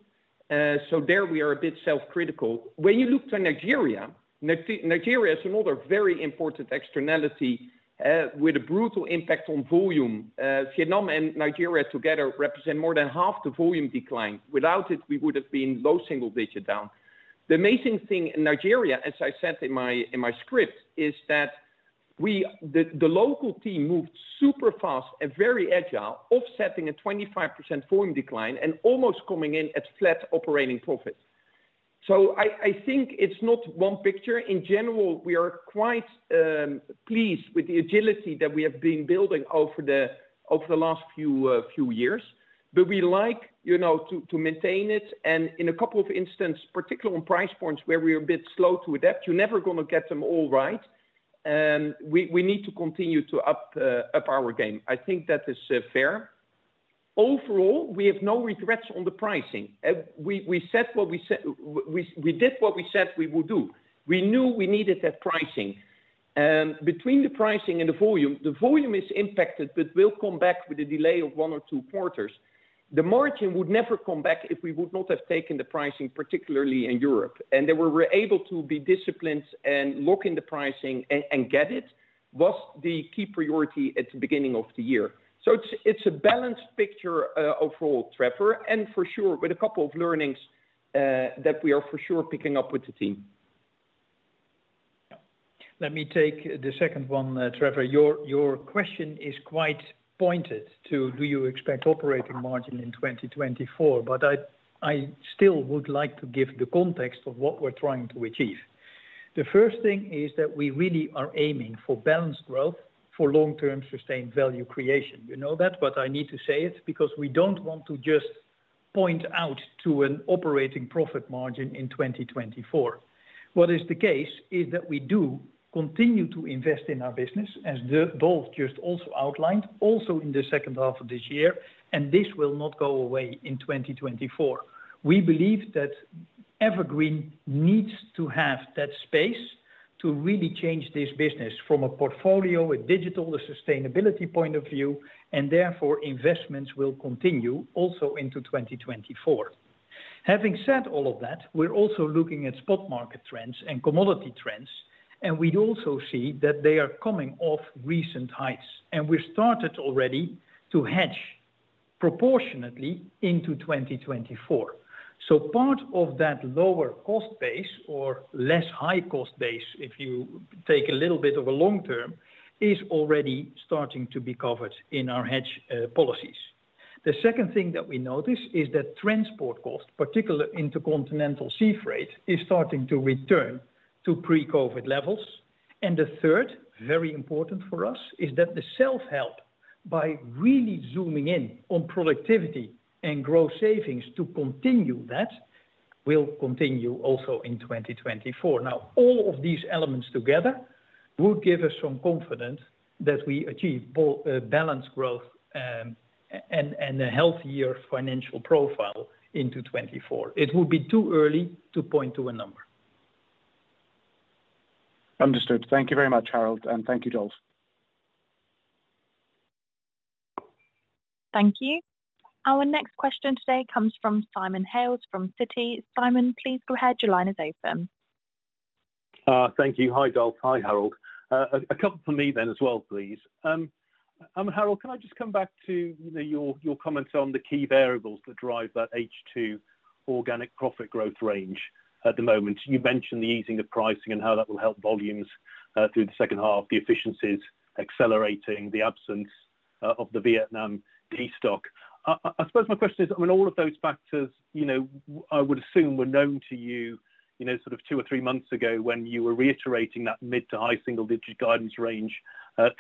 There we are a bit self-critical. When you look to Nigeria, Nigeria is another very important externality, with a brutal impact on volume. Vietnam and Nigeria together represent more than half the volume decline. Without it, we would have been low single-digit down. The amazing thing in Nigeria, as I said in my, in my script, is that we the local m moved super fast and very agile, offsetting a 25% volume decline and almost coming in at flat operating profit. I, I think it's not one picture. In general, we are quite pleased with the agility that we have been building over the, over the last few years. We like, you know, to, to maintain it, and in a couple of instances, particularly on price points where we are a bit slow to adapt, you're never gonna get them all right. We, we need to continue to up our game. I think that is fair. Overall, we have no regrets on the pricing. We, we said what we said, we did what we said we would do. We knew we needed that pricing. Between the pricing and the volume, the volume is impacted, but will come back with a delay of one or two quarters. The margin would never come back if we would not have taken the pricing, particularly in Europe, and that we were able to be disciplined and lock in the pricing and, and get it, was the key priority at the beginning of the year. It's, it's a balanced picture, overall, Trevor, and for sure, with a couple of learnings, that we are for sure picking up with the team. Yeah. Let me take the second one, Trevor. Your, your question is quite pointed to: do you expect operating margin in 2024? I, I still would like to give the context of what we're trying to achieve. The first thing is that we really are aiming for balanced growth for long-term, sustained value creation. You know that, but I need to say it because we don't want to just point out to an operating profit margin in 2024. What is the case is that we do continue to invest in our business, as Dolf just also outlined, also in the second half of this year, and this will not go away in 2024. We believe that EverGreen needs to have that space to really change this business from a portfolio, a digital, a sustainability point of view, and therefore, investments will continue also into 2024. Having said all of that, we're also looking at spot market trends and commodity trends, and we also see that they are coming off recent heights, and we started already to hedge proportionately into 2024. So part of that lower cost base or less high cost base, if you take a little bit of a long term, is already starting to be covered in our hedge policies. The second thing that we notice is that transport costs, particularly intercontinental sea freight, is starting to return to pre-COVID levels. The third, very important for us, is that the self-help, by really zooming in on productivity and growth savings to continue that, will continue also in 2024. All of these elements together will give us some confidence that we achieve balanced growth, and a healthier financial profile into 2024. It would be too early to point to a number. Understood. Thank you very much, Harold, and thank you, Dolf. Thank you. Our next question today comes from Simon Hales, from Citi. Simon, please go ahead. Your line is open. Thank you. Hi, Dolf. Hi, Harold. A couple from me then as well, please. Harold, can I just come back to, you know, your comments on the key variables that drive that H2 organic profit growth range at the moment? You mentioned the easing of pricing and how that will help volumes through the second half, the efficiencies accelerating, the absence of the Vietnam Tet stock. I suppose my question is, I mean, all of those factors, you know, I would assume were known to you, you know, sort of two or three months ago when you were reiterating that mid to high single digit guidance range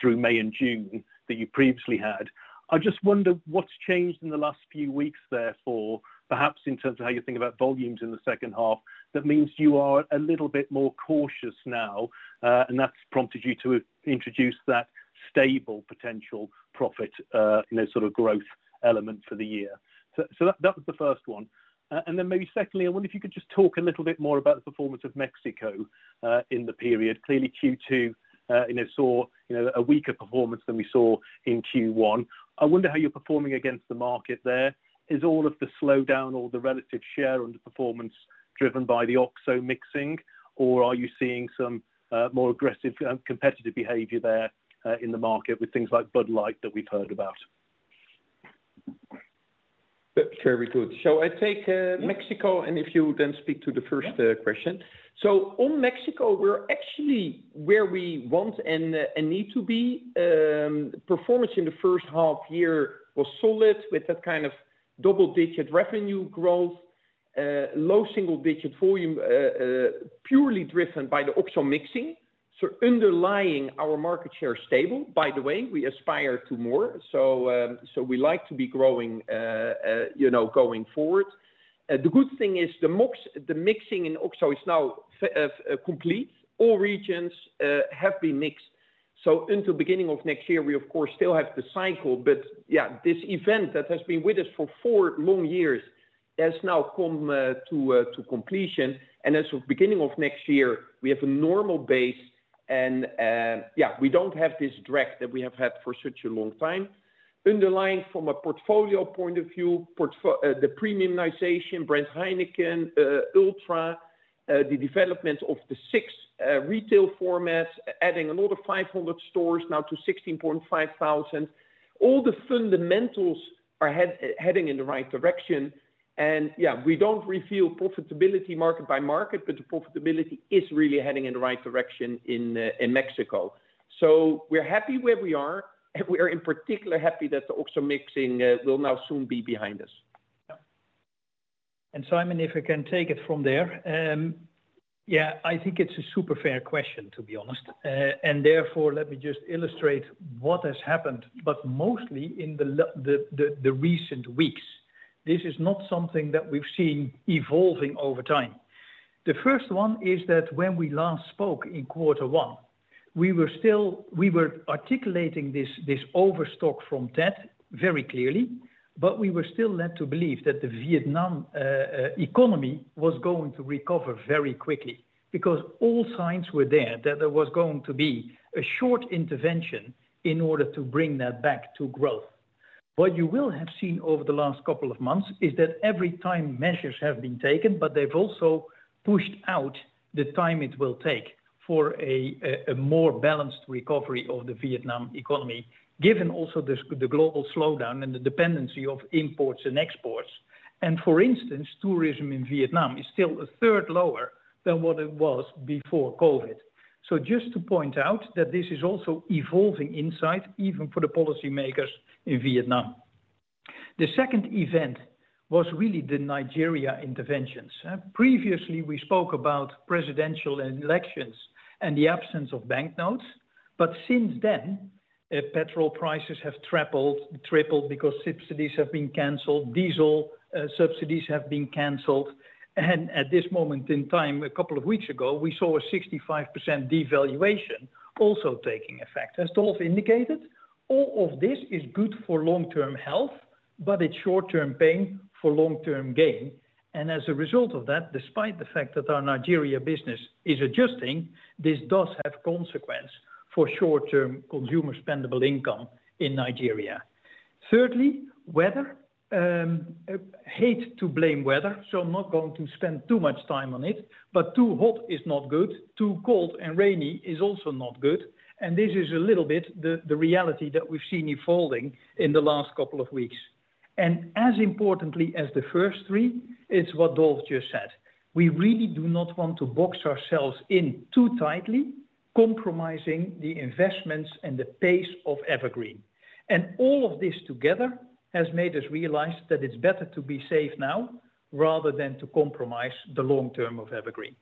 through May and June that you previously had. I just wonder what's changed in the last few weeks, therefore, perhaps in terms of how you think about volumes in the second half, that means you are a little bit more cautious now, and that's prompted you to introduce that stable potential profit, you know, sort of growth element for the year. So that was the first one. And then maybe secondly, I wonder if you could just talk a little bit more about the performance of Mexico in the period. Clearly, Q2, you know, saw, you know, a weaker performance than we saw in Q1. I wonder how you're performing against the market there. Is all of the slowdown or the relative share underperformance driven by the OXXO mixing, or are you seeing some more aggressive competitive behavior there in the market with things like Bud Light that we've heard about? Yep, very good. I take Mexico, and if you then speak to the first question. Yeah. On Mexico, we're actually where we want and, and need to be. Performance in the first half year was solid, with a kind of double-digit revenue growth, low single-digit volume, purely driven by the OXXO mixing. Underlying, our market share is stable. By the way, we aspire to more, so, we like to be growing, you know, going forward. The good thing is the mixing in OXXO is now complete. All regions have been mixed. Into beginning of next year, we of course, still have the cycle, but yeah, this event that has been with us for four long years has now come to completion. As of beginning of next year, we have a normal base and, yeah, we don't have this drag that we have had for such a long time. Underlying from a portfolio point of view, the premiumization, brand Heineken, Ultra, the development of the six retail formats, adding a lot of 500 stores now to 16,500. All the fundamentals are heading in the right direction. We don't reveal profitability market by market, but the profitability is really heading in the right direction in Mexico. We're happy where we are, and we are in particular happy that the OXXO mixing will now soon be behind us. Yeah. Simon, if you can take it from there. Yeah, I think it's a super fair question, to be honest. Therefore, let me just illustrate what has happened, but mostly in the recent weeks. This is not something that we've seen evolving over time. The first one is that when we last spoke in quarter one, we were still articulating this, this overstock from Tet very clearly, but we were still led to believe that the Vietnam economy was going to recover very quickly. All signs were there, that there was going to be a short intervention in order to bring that back to growth. What you will have seen over the last couple of months is that every time measures have been taken, but they've also pushed out the time it will take for a more balanced recovery of the Vietnam economy, given also the global slowdown and the dependency of imports and exports. For instance, tourism in Vietnam is still a third lower than what it was before COVID. Just to point out that this is also evolving insight, even for the policymakers in Vietnam. The second event was really the Nigeria interventions. Previously, we spoke about presidential elections and the absence of banknotes, but since then, petrol prices have tripled because subsidies have been canceled, diesel subsidies have been canceled. At this moment in time, a couple of weeks ago, we saw a 65% devaluation also taking effect. As Dolf indicated, all of this is good for long-term health, but it's short-term pain for long-term gain. As a result of that, despite the fact that our Nigeria business is adjusting, this does have consequence for short-term consumer spendable income in Nigeria. Thirdly, weather. I hate to blame weather, so I'm not going to spend too much time on it, but too hot is not good, too cold and rainy is also not good, and this is a little bit the, the reality that we've seen unfolding in the last couple of weeks. As importantly as the first three, it's what Dolf just said: We really do not want to box ourselves in too tightly, compromising the investments and the pace of EverGreen.All of this together has made us realize that it's better to be safe now rather than to compromise the long term of EverGreen.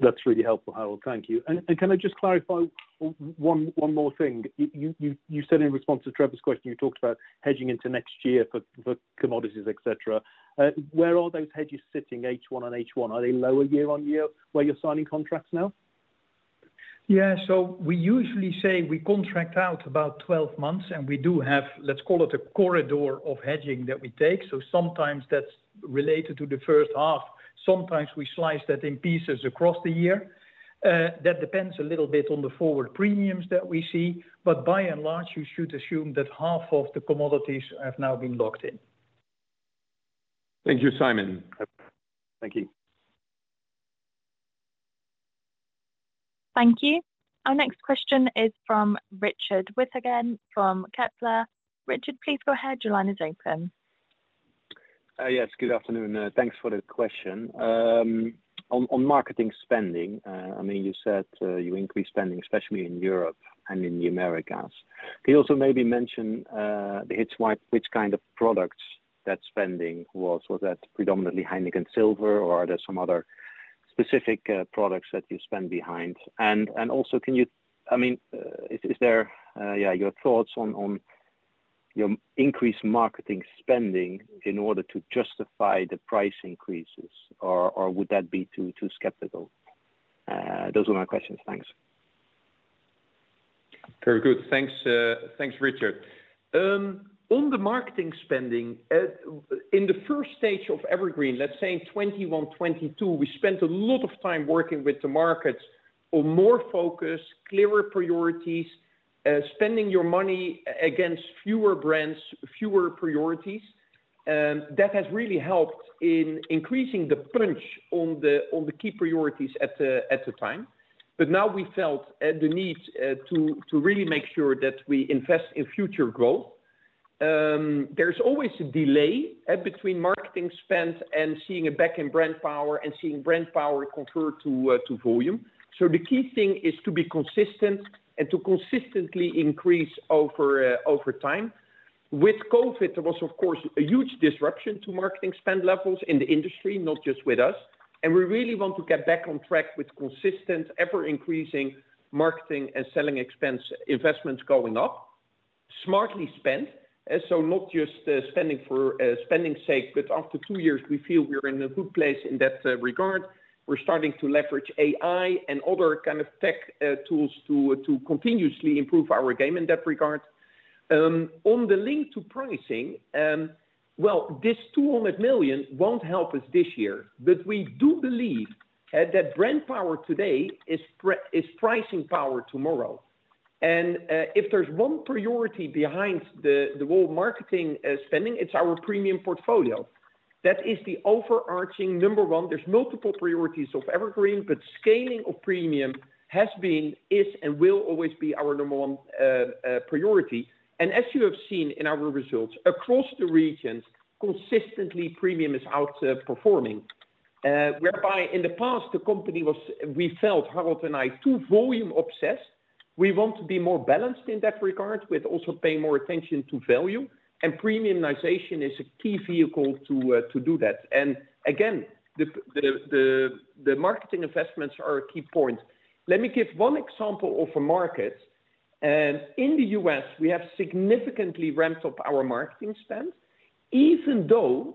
That's really helpful, Harold. Thank you. Can I just clarify one, one more thing? You, you, you said in response to Trevor's question, you talked about hedging into next year for, for commodities, et cetera. Where are those hedges sitting, H1 on H1? Are they lower year-on-year, where you're signing contracts now? We usually say we contract out about 12 months, and we do have, let's call it a corridor of hedging that we take. Sometimes that's related to the first half, sometimes we slice that in pieces across the year. That depends a little bit on the forward premiums that we see, but by and large, you should assume that half of the commodities have now been locked in. Thank you, Simon. Thank you. Thank you. Our next question is from Richard With again from Kepler. Richard, please go ahead. Your line is open. Yes, good afternoon. Thanks for the question. On, on marketing spending, I mean, you said, you increased spending, especially in Europe and in the Americas. Can you also maybe mention, which kind of products that spending was? Was that predominantly Heineken Silver, or are there some other specific products that you spend behind? Also, I mean, your thoughts on, on your increased marketing spending in order to justify the price increases, or, or would that be too, too skeptical? Those are my questions. Thanks. Very good. Thanks, thanks, Richard. On the marketing spending, in the first stage of EverGreen, let's say in 2021, 2022, we spent a lot of time working with the markets on more focus, clearer priorities, spending your money against fewer brands, fewer priorities. That has really helped in increasing the punch on the key priorities at the time. Now we felt the need to really make sure that we invest in future growth. There's always a delay between marketing spend and seeing it back in brand power and seeing brand power convert to volume. The key thing is to be consistent and to consistently increase over time. With COVID, there was, of course, a huge disruption to marketing spend levels in the industry, not just with us, and we really want to get back on track with consistent, ever-increasing marketing and selling expense investments going up, smartly spent. So not just spending for spending's sake, but after two years, we feel we're in a good place in that regard. We're starting to leverage AI and other kind of tech tools to continuously improve our game in that regard. On the link to pricing, well, this 200 million won't help us this year, but we do believe that brand power today is pricing power tomorrow. If there's one priority behind the whole marketing spending, it's our premium portfolio. That is the overarching number one. There's multiple priorities of EverGreen, but scaling of premium has been, is, and will always be our number one priority. As you have seen in our results across the regions, consistently, premium is outperforming. Whereby in the past, the company was, we felt, Harold and I, too volume obsessed. We want to be more balanced in that regard, with also paying more attention to value, and premiumization is a key vehicle to do that. Again, the marketing investments are a key point. Let me give one example of a market. In the U.S., we have significantly ramped up our marketing spend, even though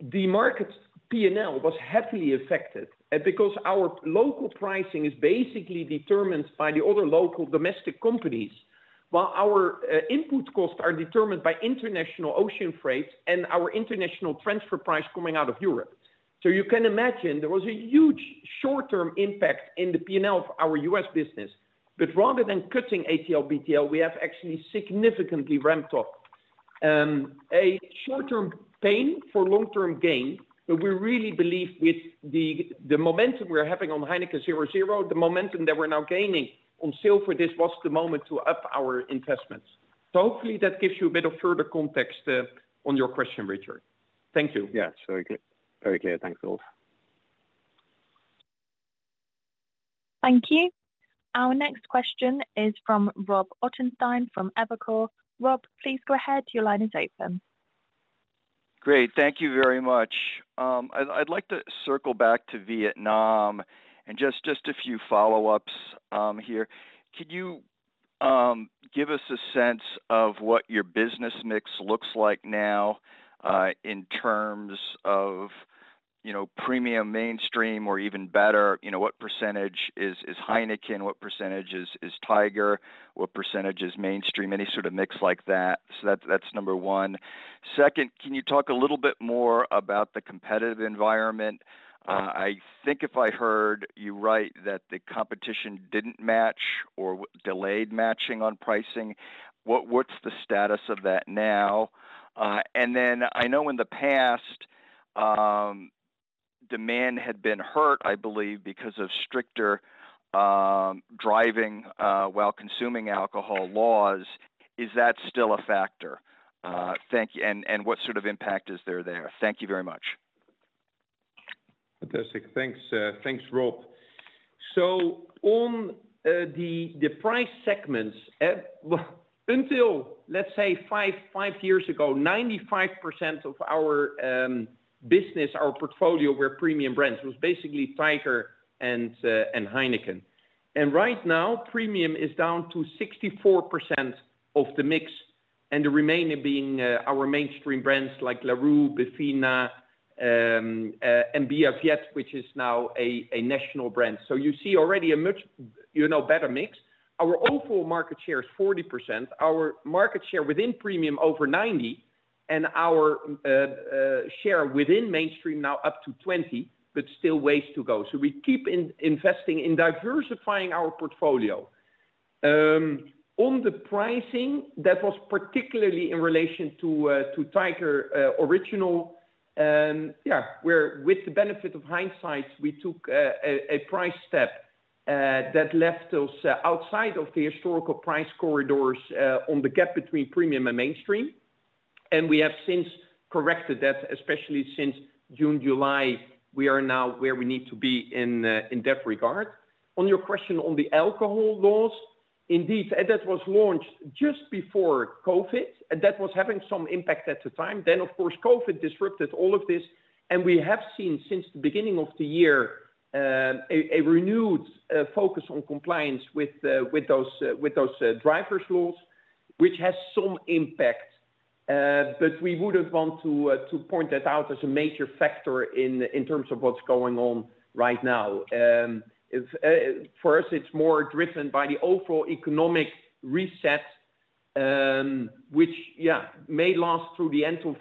the market's P&L was heavily affected, because our local pricing is basically determined by the other local domestic companies, while our input costs are determined by international ocean freight and our international transfer price coming out of Europe. You can imagine there was a huge short-term impact in the P&L of our U.S. business. Rather than cutting ATL, BTL, we have actually significantly ramped up. A short-term pain for long-term gain, but we really believe with the momentum we're having on Heineken 0.0, the momentum that we're now gaining on Sol for this was the moment to up our investments. Hopefully that gives you a bit of further context on your question, Richard. Thank you. Yeah, very clear. Very clear. Thanks a lot. Thank you. Our next question is from Robert Ottenstein, from Evercore. Rob, please go ahead. Your line is open. Great. Thank you very much. I'd like to circle back to Vietnam and just a few follow-ups here. Could you give us a sense of what your business mix looks like now, in terms of, you know, premium, mainstream, or even better, you know, what percentage is Heineken? What percentage is Tiger? What percentage is mainstream? Any sort of mix like that. That, that's number one. Second, can you talk a little bit more about the competitive environment? I think if I heard you right, that the competition didn't match or delayed matching on pricing. What's the status of that now? And then I know in the past, demand had been hurt, I believe, because of stricter driving while consuming alcohol laws. Is that still a factor? Thank you. What sort of impact is there there? Thank you very much. Fantastic. Thanks, thanks, Rob. On the price segments, well until, let's say five, five years ago, 95% of our business, our portfolio, were premium brands. It was basically Tiger and Heineken. Right now, premium is down to 64% of the mix, and the remainder being our mainstream brands like Larue, Bivina, and Bia Viet, which is now a national brand. You see already a much, you know, better mix. Our overall market share is 40%. Our market share within premium, over 90, and our share within mainstream now up to 20, but still ways to go. We keep investing in diversifying our portfolio. On the pricing, that was particularly in relation to Tiger Original. Yeah, where with the benefit of hindsight, we took a price step that left us outside of the historical price corridors on the gap between premium and mainstream, and we have since corrected that, especially since June, July. We are now where we need to be in that regard. On your question on the alcohol laws, indeed, and that was launched just before COVID, and that was having some impact at the time. Of course, COVID disrupted all of this, and we have seen since the beginning of the year a renewed focus on compliance with those with those drivers laws, which has some impact. We wouldn't want to point that out as a major factor in terms of what's going on right now. For us, it's more driven by the overall economic reset, which, yeah, may last through the end of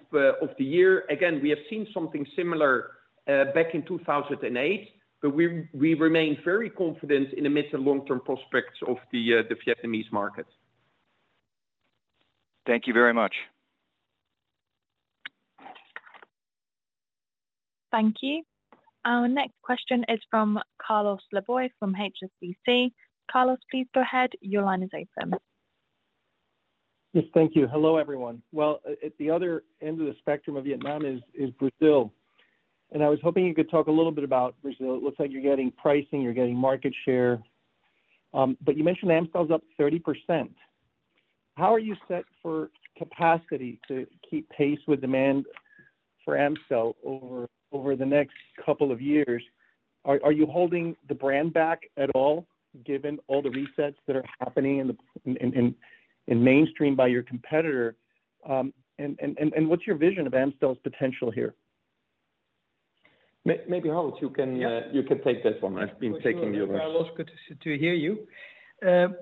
the year. Again, we have seen something similar back in 2008, but we, we remain very confident in the mid and long-term prospects of the Vietnamese market. Thank you very much. Thank you. Our next question is from Carlos Laboy, from HSBC. Carlos, please go ahead. Your line is open. Yes, thank you. Hello, everyone. At the other end of the spectrum of Vietnam is, is Brazil, and I was hoping you could talk a little bit about Brazil. It looks like you're getting pricing, you're getting market share, but you mentioned Amstel is up 30%. How are you set for capacity to keep pace with demand for Amstel over, over the next couple of years? Are, are you holding the brand back at all, given all the resets that are happening in the mainstream by your competitor? What's your vision of Amstel's potential here? ...Maybe, Harold, you can take that one. I've been taking the others. Sure, Carlos, good to hear you.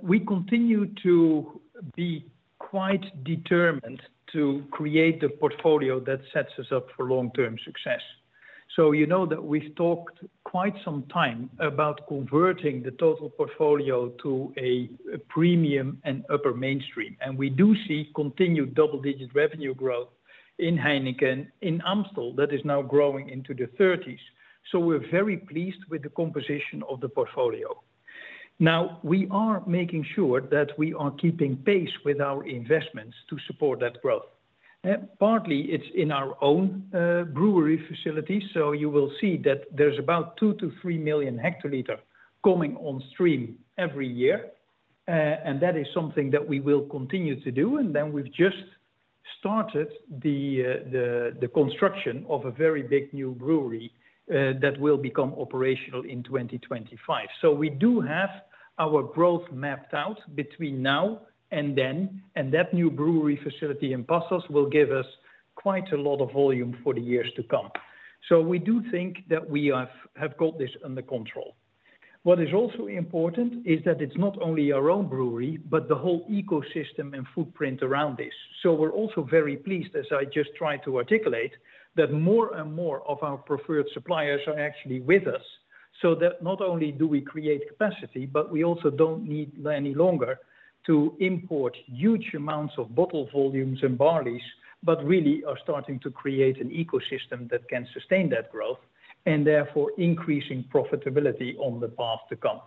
We continue to be quite determined to create a portfolio that sets us up for long-term success. You know that we've talked quite some time about converting the total portfolio to a premium and upper mainstream. We do see continued double-digit revenue growth in Heineken, in Amstel, that is now growing into the 30s. We're very pleased with the composition of the portfolio. Now, we are making sure that we are keeping pace with our investments to support that growth. Partly, it's in our own brewery facility, you will see that there's about 2-3 million hectoliter coming on stream every year. That is something that we will continue to do, and then we've just started the construction of a very big new brewery that will become operational in 2025. We do have our growth mapped out between now and then, and that new brewery facility in Passos will give us quite a lot of volume for the years to come. We do think that we have, have got this under control. What is also important is that it's not only our own brewery, but the whole ecosystem and footprint around this. We're also very pleased, as I just tried to articulate, that more and more of our preferred suppliers are actually with us, so that not only do we create capacity, but we also don't need any longer to import huge amounts of bottle volumes and barleys, but really are starting to create an ecosystem that can sustain that growth, and therefore increasing profitability on the path to come.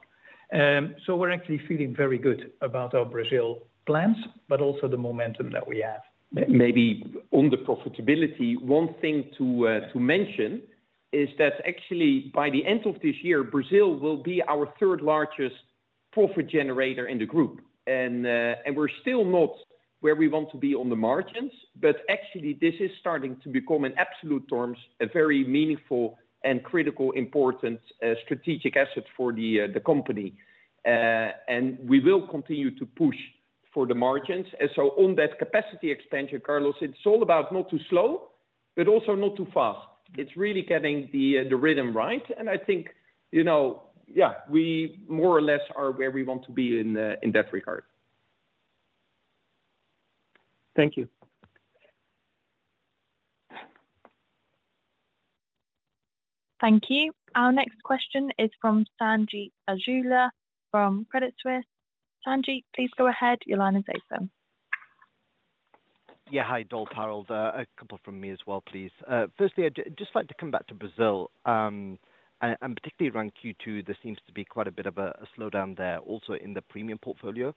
We're actually feeling very good about our Brazil plans, but also the momentum that we have. Maybe on the profitability, one thing to mention is that actually, by the end of this year, Brazil will be our third largest profit generator in the group. We're still not where we want to be on the margins, but actually, this is starting to become, in absolute terms, a very meaningful and critical, important, strategic asset for the company. We will continue to push for the margins. On that capacity expansion, Carlos, it's all about not too slow, but also not too fast. It's really getting the rhythm right, and I think, you know, yeah, we more or less are where we want to be in that regard. Thank you. Thank you. Our next question is from Sanjeet Aujla from Credit Suisse. Sanjeet, please go ahead. Your line is open. Yeah. Hi, Dolf, Harold, a couple from me as well, please. Firstly, I'd just like to come back to Brazil. Particularly around Q2, there seems to be quite a bit of a slowdown there, also in the premium portfolio,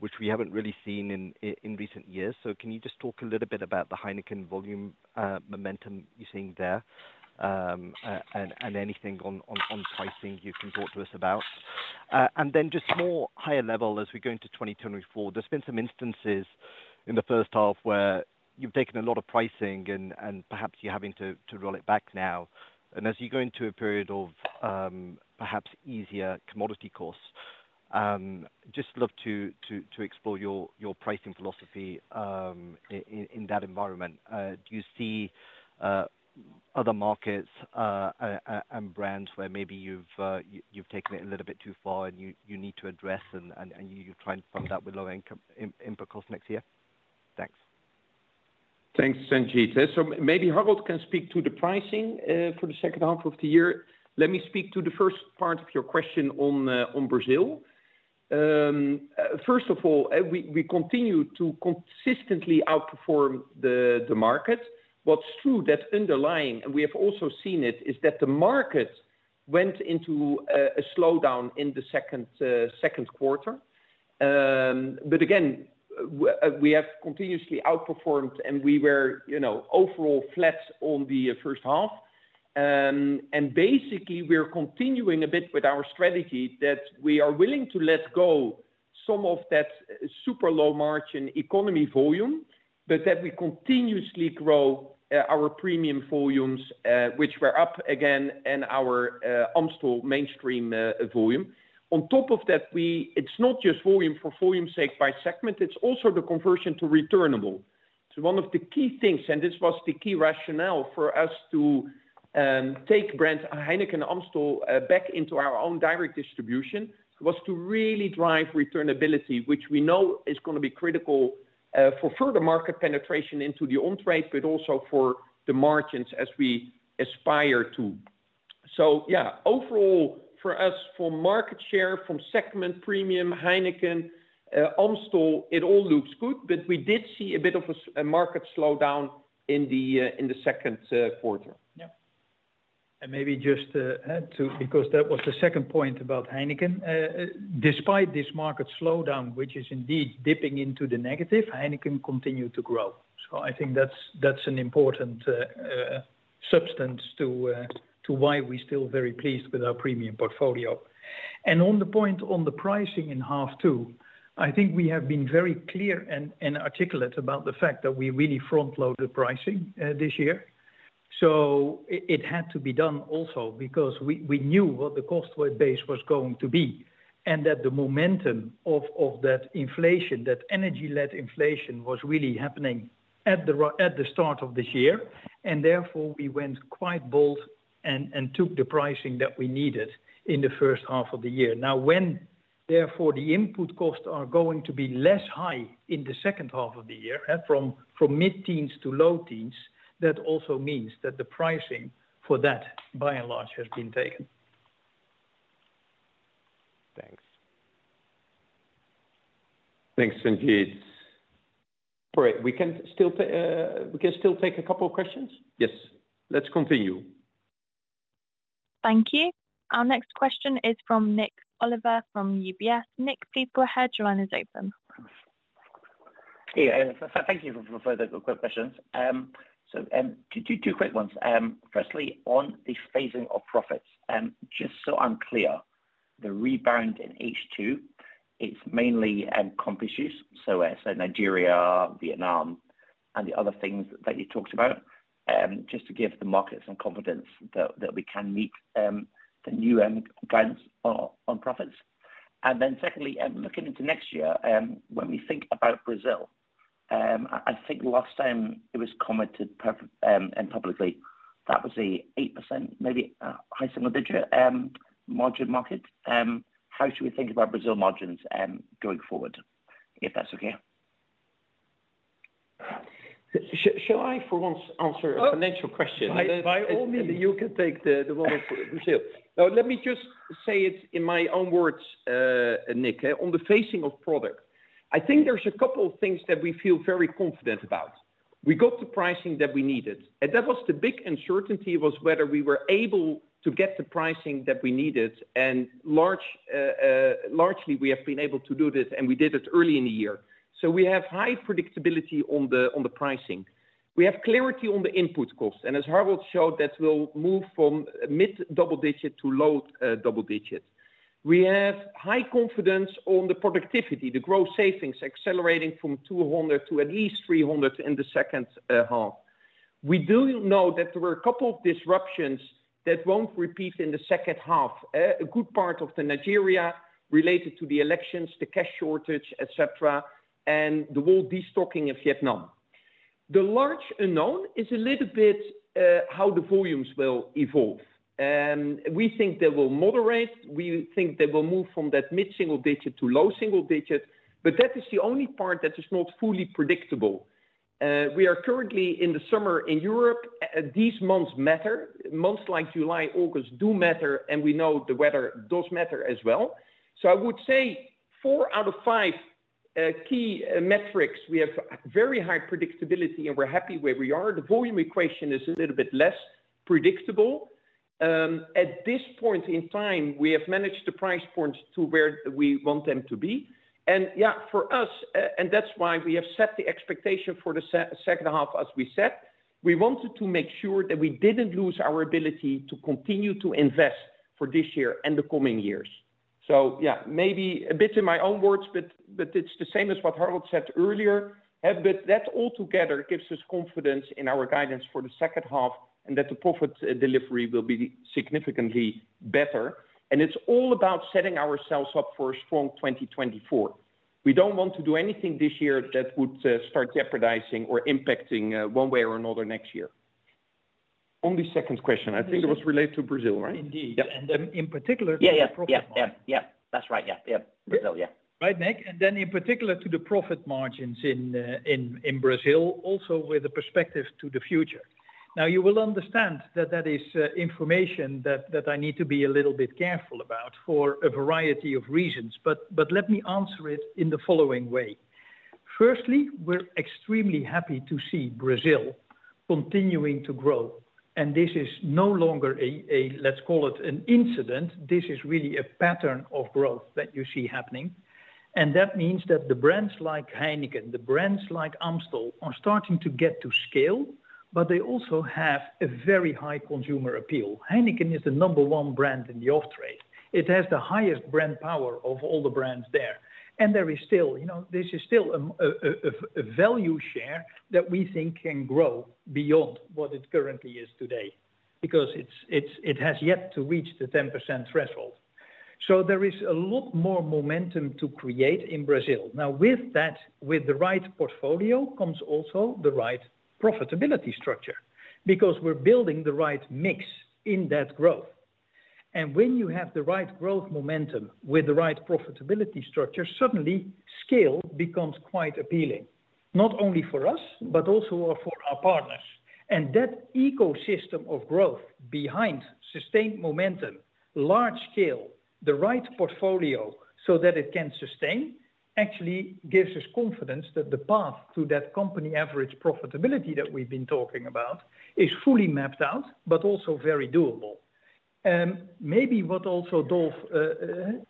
which we haven't really seen in recent years. Can you just talk a little bit about the Heineken volume momentum you're seeing there? Anything on pricing you can talk to us about. Then just more higher level as we go into 2024, there's been some instances in the first half where you've taken a lot of pricing and perhaps you're having to roll it back now. As you go into a period of, perhaps easier commodity costs, just love to, to, to explore your, your pricing philosophy, in, in that environment. Do you see, other markets, and brands where maybe you've, you've taken it a little bit too far, and you, you need to address and, and, and you're trying to fund that with low income, input costs next year? Thanks. Thanks, Sanjeet. Maybe Harold can speak to the pricing for the second half of the year. Let me speak to the first part of your question on Brazil. First of all, we continue to consistently outperform the market. What's true, that's underlying, and we have also seen it, is that the market went into a slowdown in the second quarter. Again, we have continuously outperformed, and we were, you know, overall flat on the first half. Basically, we're continuing a bit with our strategy, that we are willing to let go some of that super low-margin economy volume, but that we continuously grow our premium volumes, which were up again in our Amstel mainstream volume. On top of that, we it's not just volume for volume sake by segment, it's also the conversion to returnable. So one of the key things, and this was the key rationale for us to take brands Heineken and Amstel back into our own direct distribution, was to really drive returnability, which we know is gonna be critical for further market penetration into the on-trade, but also for the margins as we aspire to. So yeah, overall, for us, for market share, from segment premium, Heineken, Amstel, it all looks good, but we did see a bit of a market slowdown in the in the second quarter. Yeah. Maybe just to add, too, because that was the second point about Heineken. Despite this market slowdown, which is indeed dipping into the negative, Heineken continued to grow. I think that's an important substance to why we're still very pleased with our premium portfolio. On the point on the pricing in half two, I think we have been very clear and articulate about the fact that we really front-loaded pricing this year. It had to be done also because we knew what the cost base was going to be, and that the momentum of that inflation, that energy-led inflation, was really happening at the start of this year, and therefore, we went quite bold and took the pricing that we needed in the first half of the year. When... Therefore, the input costs are going to be less high in the second half of the year, from mid-teens to low teens. That also means that the pricing for that, by and large, has been taken. Thanks. Thanks, indeed. Great! We can still take a couple of questions? Yes, let's continue. Thank you. Our next question is from Nik Oliver, from UBS. Nik, please go ahead. Your line is open. Hey, thank you for further quick questions. Two, two quick ones. Firstly, on the phasing of profits, just so I'm clear, the rebound in H2, it's mainly comp issues, so, so Nigeria, Vietnam, and the other things that you talked about. Just to give the market some confidence that, that we can meet the new guidance on profits. Secondly, looking into next year, when we think about Brazil, I, I think last time it was commented and publicly, that was a 8%, maybe, high single digit margin market. How should we think about Brazil margins going forward? If that's okay. Shall I, for once, answer a financial question? By all means, you can take the, the role of Lucille. No, let me just say it in my own words, Nick. On the phasing of product, I think there's a couple of things that we feel very confident about. We got the pricing that we needed, and that was the big uncertainty, was whether we were able to get the pricing that we needed, and large, largely, we have been able to do this, and we did it early in the year. We have high predictability on the, on the pricing. We have clarity on the input costs, and as Harold showed, that will move from mid-double digit to low double digit. We have high confidence on the productivity, the growth savings accelerating from 200 to at least 300 in the second half. We do know that there were a couple of disruptions that won't repeat in the second half. A good part of the Nigeria related to the elections, the cash shortage, et cetera, and the whole destocking of Vietnam. The large unknown is a little bit how the volumes will evolve. We think they will moderate. We think they will move from that mid-single digit to low single digit, but that is the only part that is not fully predictable. We are currently in the summer in Europe. These months matter. Months like July, August do matter, and we know the weather does matter as well. I would say four out of five key metrics, we have very high predictability, and we're happy where we are. The volume equation is a little bit less predictable. At this point in time, we have managed the price points to where we want them to be. Yeah, for us, and that's why we have set the expectation for the second half as we set. We wanted to make sure that we didn't lose our ability to continue to invest for this year and the coming years. Yeah, maybe a bit in my own words, but, but it's the same as what Harold said earlier. That altogether gives us confidence in our guidance for the second half and that the profit delivery will be significantly better. It's all about setting ourselves up for a strong 2024. We don't want to do anything this year that would start jeopardizing or impacting one way or another next year. On the second question, I think it was related to Brazil, right? Indeed. Yeah. In particular... Yeah, yeah. To the profit margin. Yeah. Yeah, that's right. Yeah. Yeah. Brazil, yeah. Nik, and then in particular, to the profit margins in the, in, in Brazil, also with a perspective to the future. You will understand that that is information that, that I need to be a little bit careful about for a variety of reasons, but, but let me answer it in the following way. Firstly, we're extremely happy to see Brazil continuing to grow, and this is no longer a, a, let's call it, an incident. This is really a pattern of growth that you see happening. That means that the brands like Heineken, the brands like Amstel, are starting to get to scale, but they also have a very high consumer appeal. Heineken is the number one brand in the off-trade. It has the highest brand power of all the brands there, and there is still... You know, this is still a value share that we think can grow beyond what it currently is today because it has yet to reach the 10% threshold. There is a lot more momentum to create in Brazil. Now, with that, with the right portfolio, comes also the right profitability structure because we're building the right mix in that growth. When you have the right growth momentum with the right profitability structure, suddenly scale becomes quite appealing, not only for us, but also for our partners. That ecosystem of growth behind sustained momentum, large scale, the right portfolio, so that it can sustain, actually gives us confidence that the path to that company average profitability that we've been talking about is fully mapped out, but also very doable. Maybe what also Dolf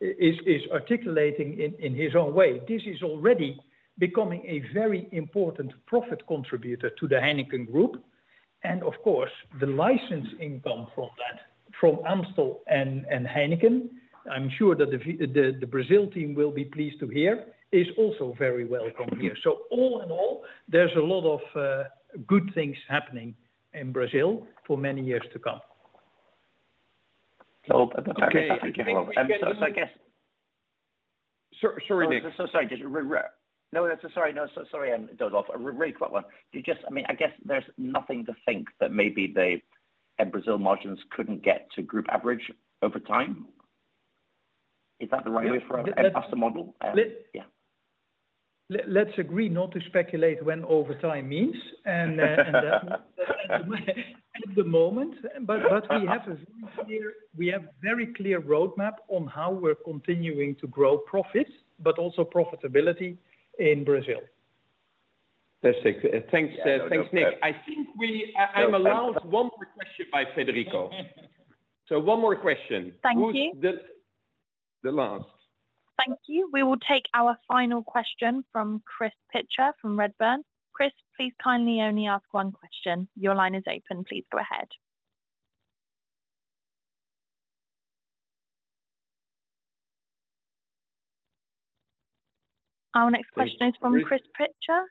is articulating in his own way, this is already becoming a very important profit contributor to the Heineken Group. Of course, the license income from that, from Amstel and Heineken, I'm sure that the Brazil team will be pleased to hear, is also very welcome here. All in all, there's a lot of good things happening in Brazil for many years to come. So, but that's- Okay. So I guess- Sorry, sorry, Nik. Sorry. Sorry. Sorry, Dolf. A really quick one. I mean, I guess there's nothing to think that maybe the- Brazil margins couldn't get to group average over time? Is that the right way for us and ask the model? Yeah. Let's agree not to speculate when over time means and at the moment. We have a very clear, we have very clear roadmap on how we're continuing to grow profits, but also profitability in Brazil. That's it. Thanks, thanks, Nik. I think I'm allowed one more question by Federico. One more question. Thank you. Who's the, the last? Thank you. We will take our final question from Chris Pitcher, from Redburn. Chris, please kindly only ask one question. Your line is open. Please go ahead. Our next question is from Chris Pitcher.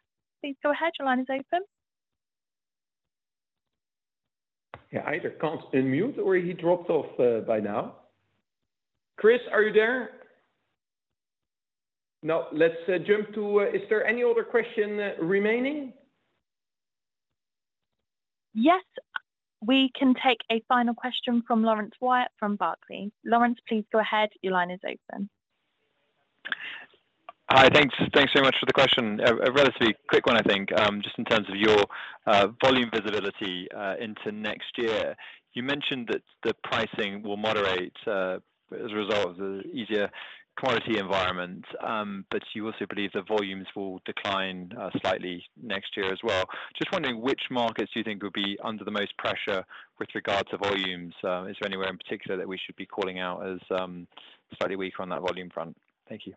Please go ahead. Your line is open. Yeah, either can't unmute or he dropped off, by now. Chris, are you there? No. Let's jump to... Is there any other question remaining? Yes, we can take a final question from Laurence Wyatt from Barclays. Laurence, please go ahead. Your line is open. Hi. Thanks. Thanks very much for the question. A relatively quick one, I think, just in terms of your volume visibility into next year. You mentioned that the pricing will moderate as a result of the easier quantity environment, but you also believe the volumes will decline slightly next year as well. Just wondering which markets you think will be under the most pressure with regards to volumes? Is there anywhere in particular that we should be calling out as slightly weak on that volume front? Thank you.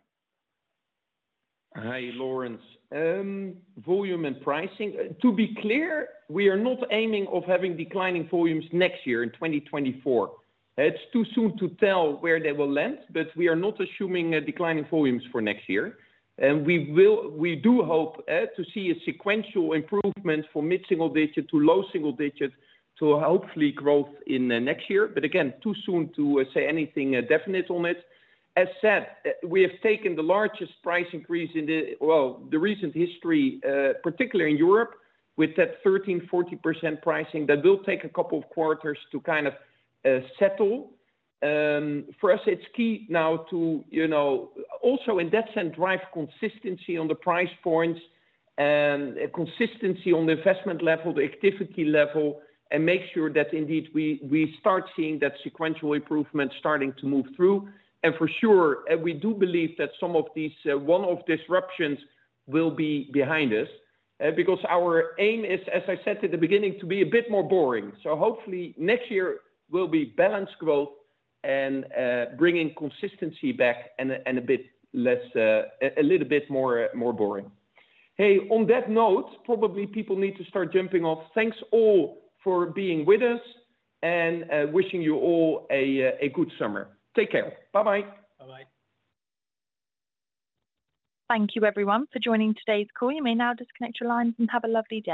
Hi, Laurence. Volume and pricing. To be clear, we are not aiming of having declining volumes next year in 2024. It's too soon to tell where they will land, but we are not assuming a declining volumes for next year. We do hope to see a sequential improvement from mid-single-digit to low-single-digits to hopefully growth in the next year. Again, too soon to say anything definite on it. As said, we have taken the largest price increase in the recent history, particularly in Europe, with that 13%-40% pricing, that will take a couple of quarters to kind of settle. For us, it's key now to, you know, also in that sense, drive consistency on the price points and consistency on the investment level, the activity level, and make sure that indeed, we, we start seeing that sequential improvement starting to move through. For sure, we do believe that some of these one-off disruptions will be behind us, because our aim is, as I said at the beginning, to be a bit more boring. Hopefully, next year will be balanced growth and bringing consistency back and a, and a bit less, a little bit more, more boring. Hey, on that note, probably people need to start jumping off. Thanks all for being with us and wishing you all a good summer. Take care. Bye-bye. Bye-bye. Thank you everyone for joining today's call. You may now disconnect your lines and have a lovely day.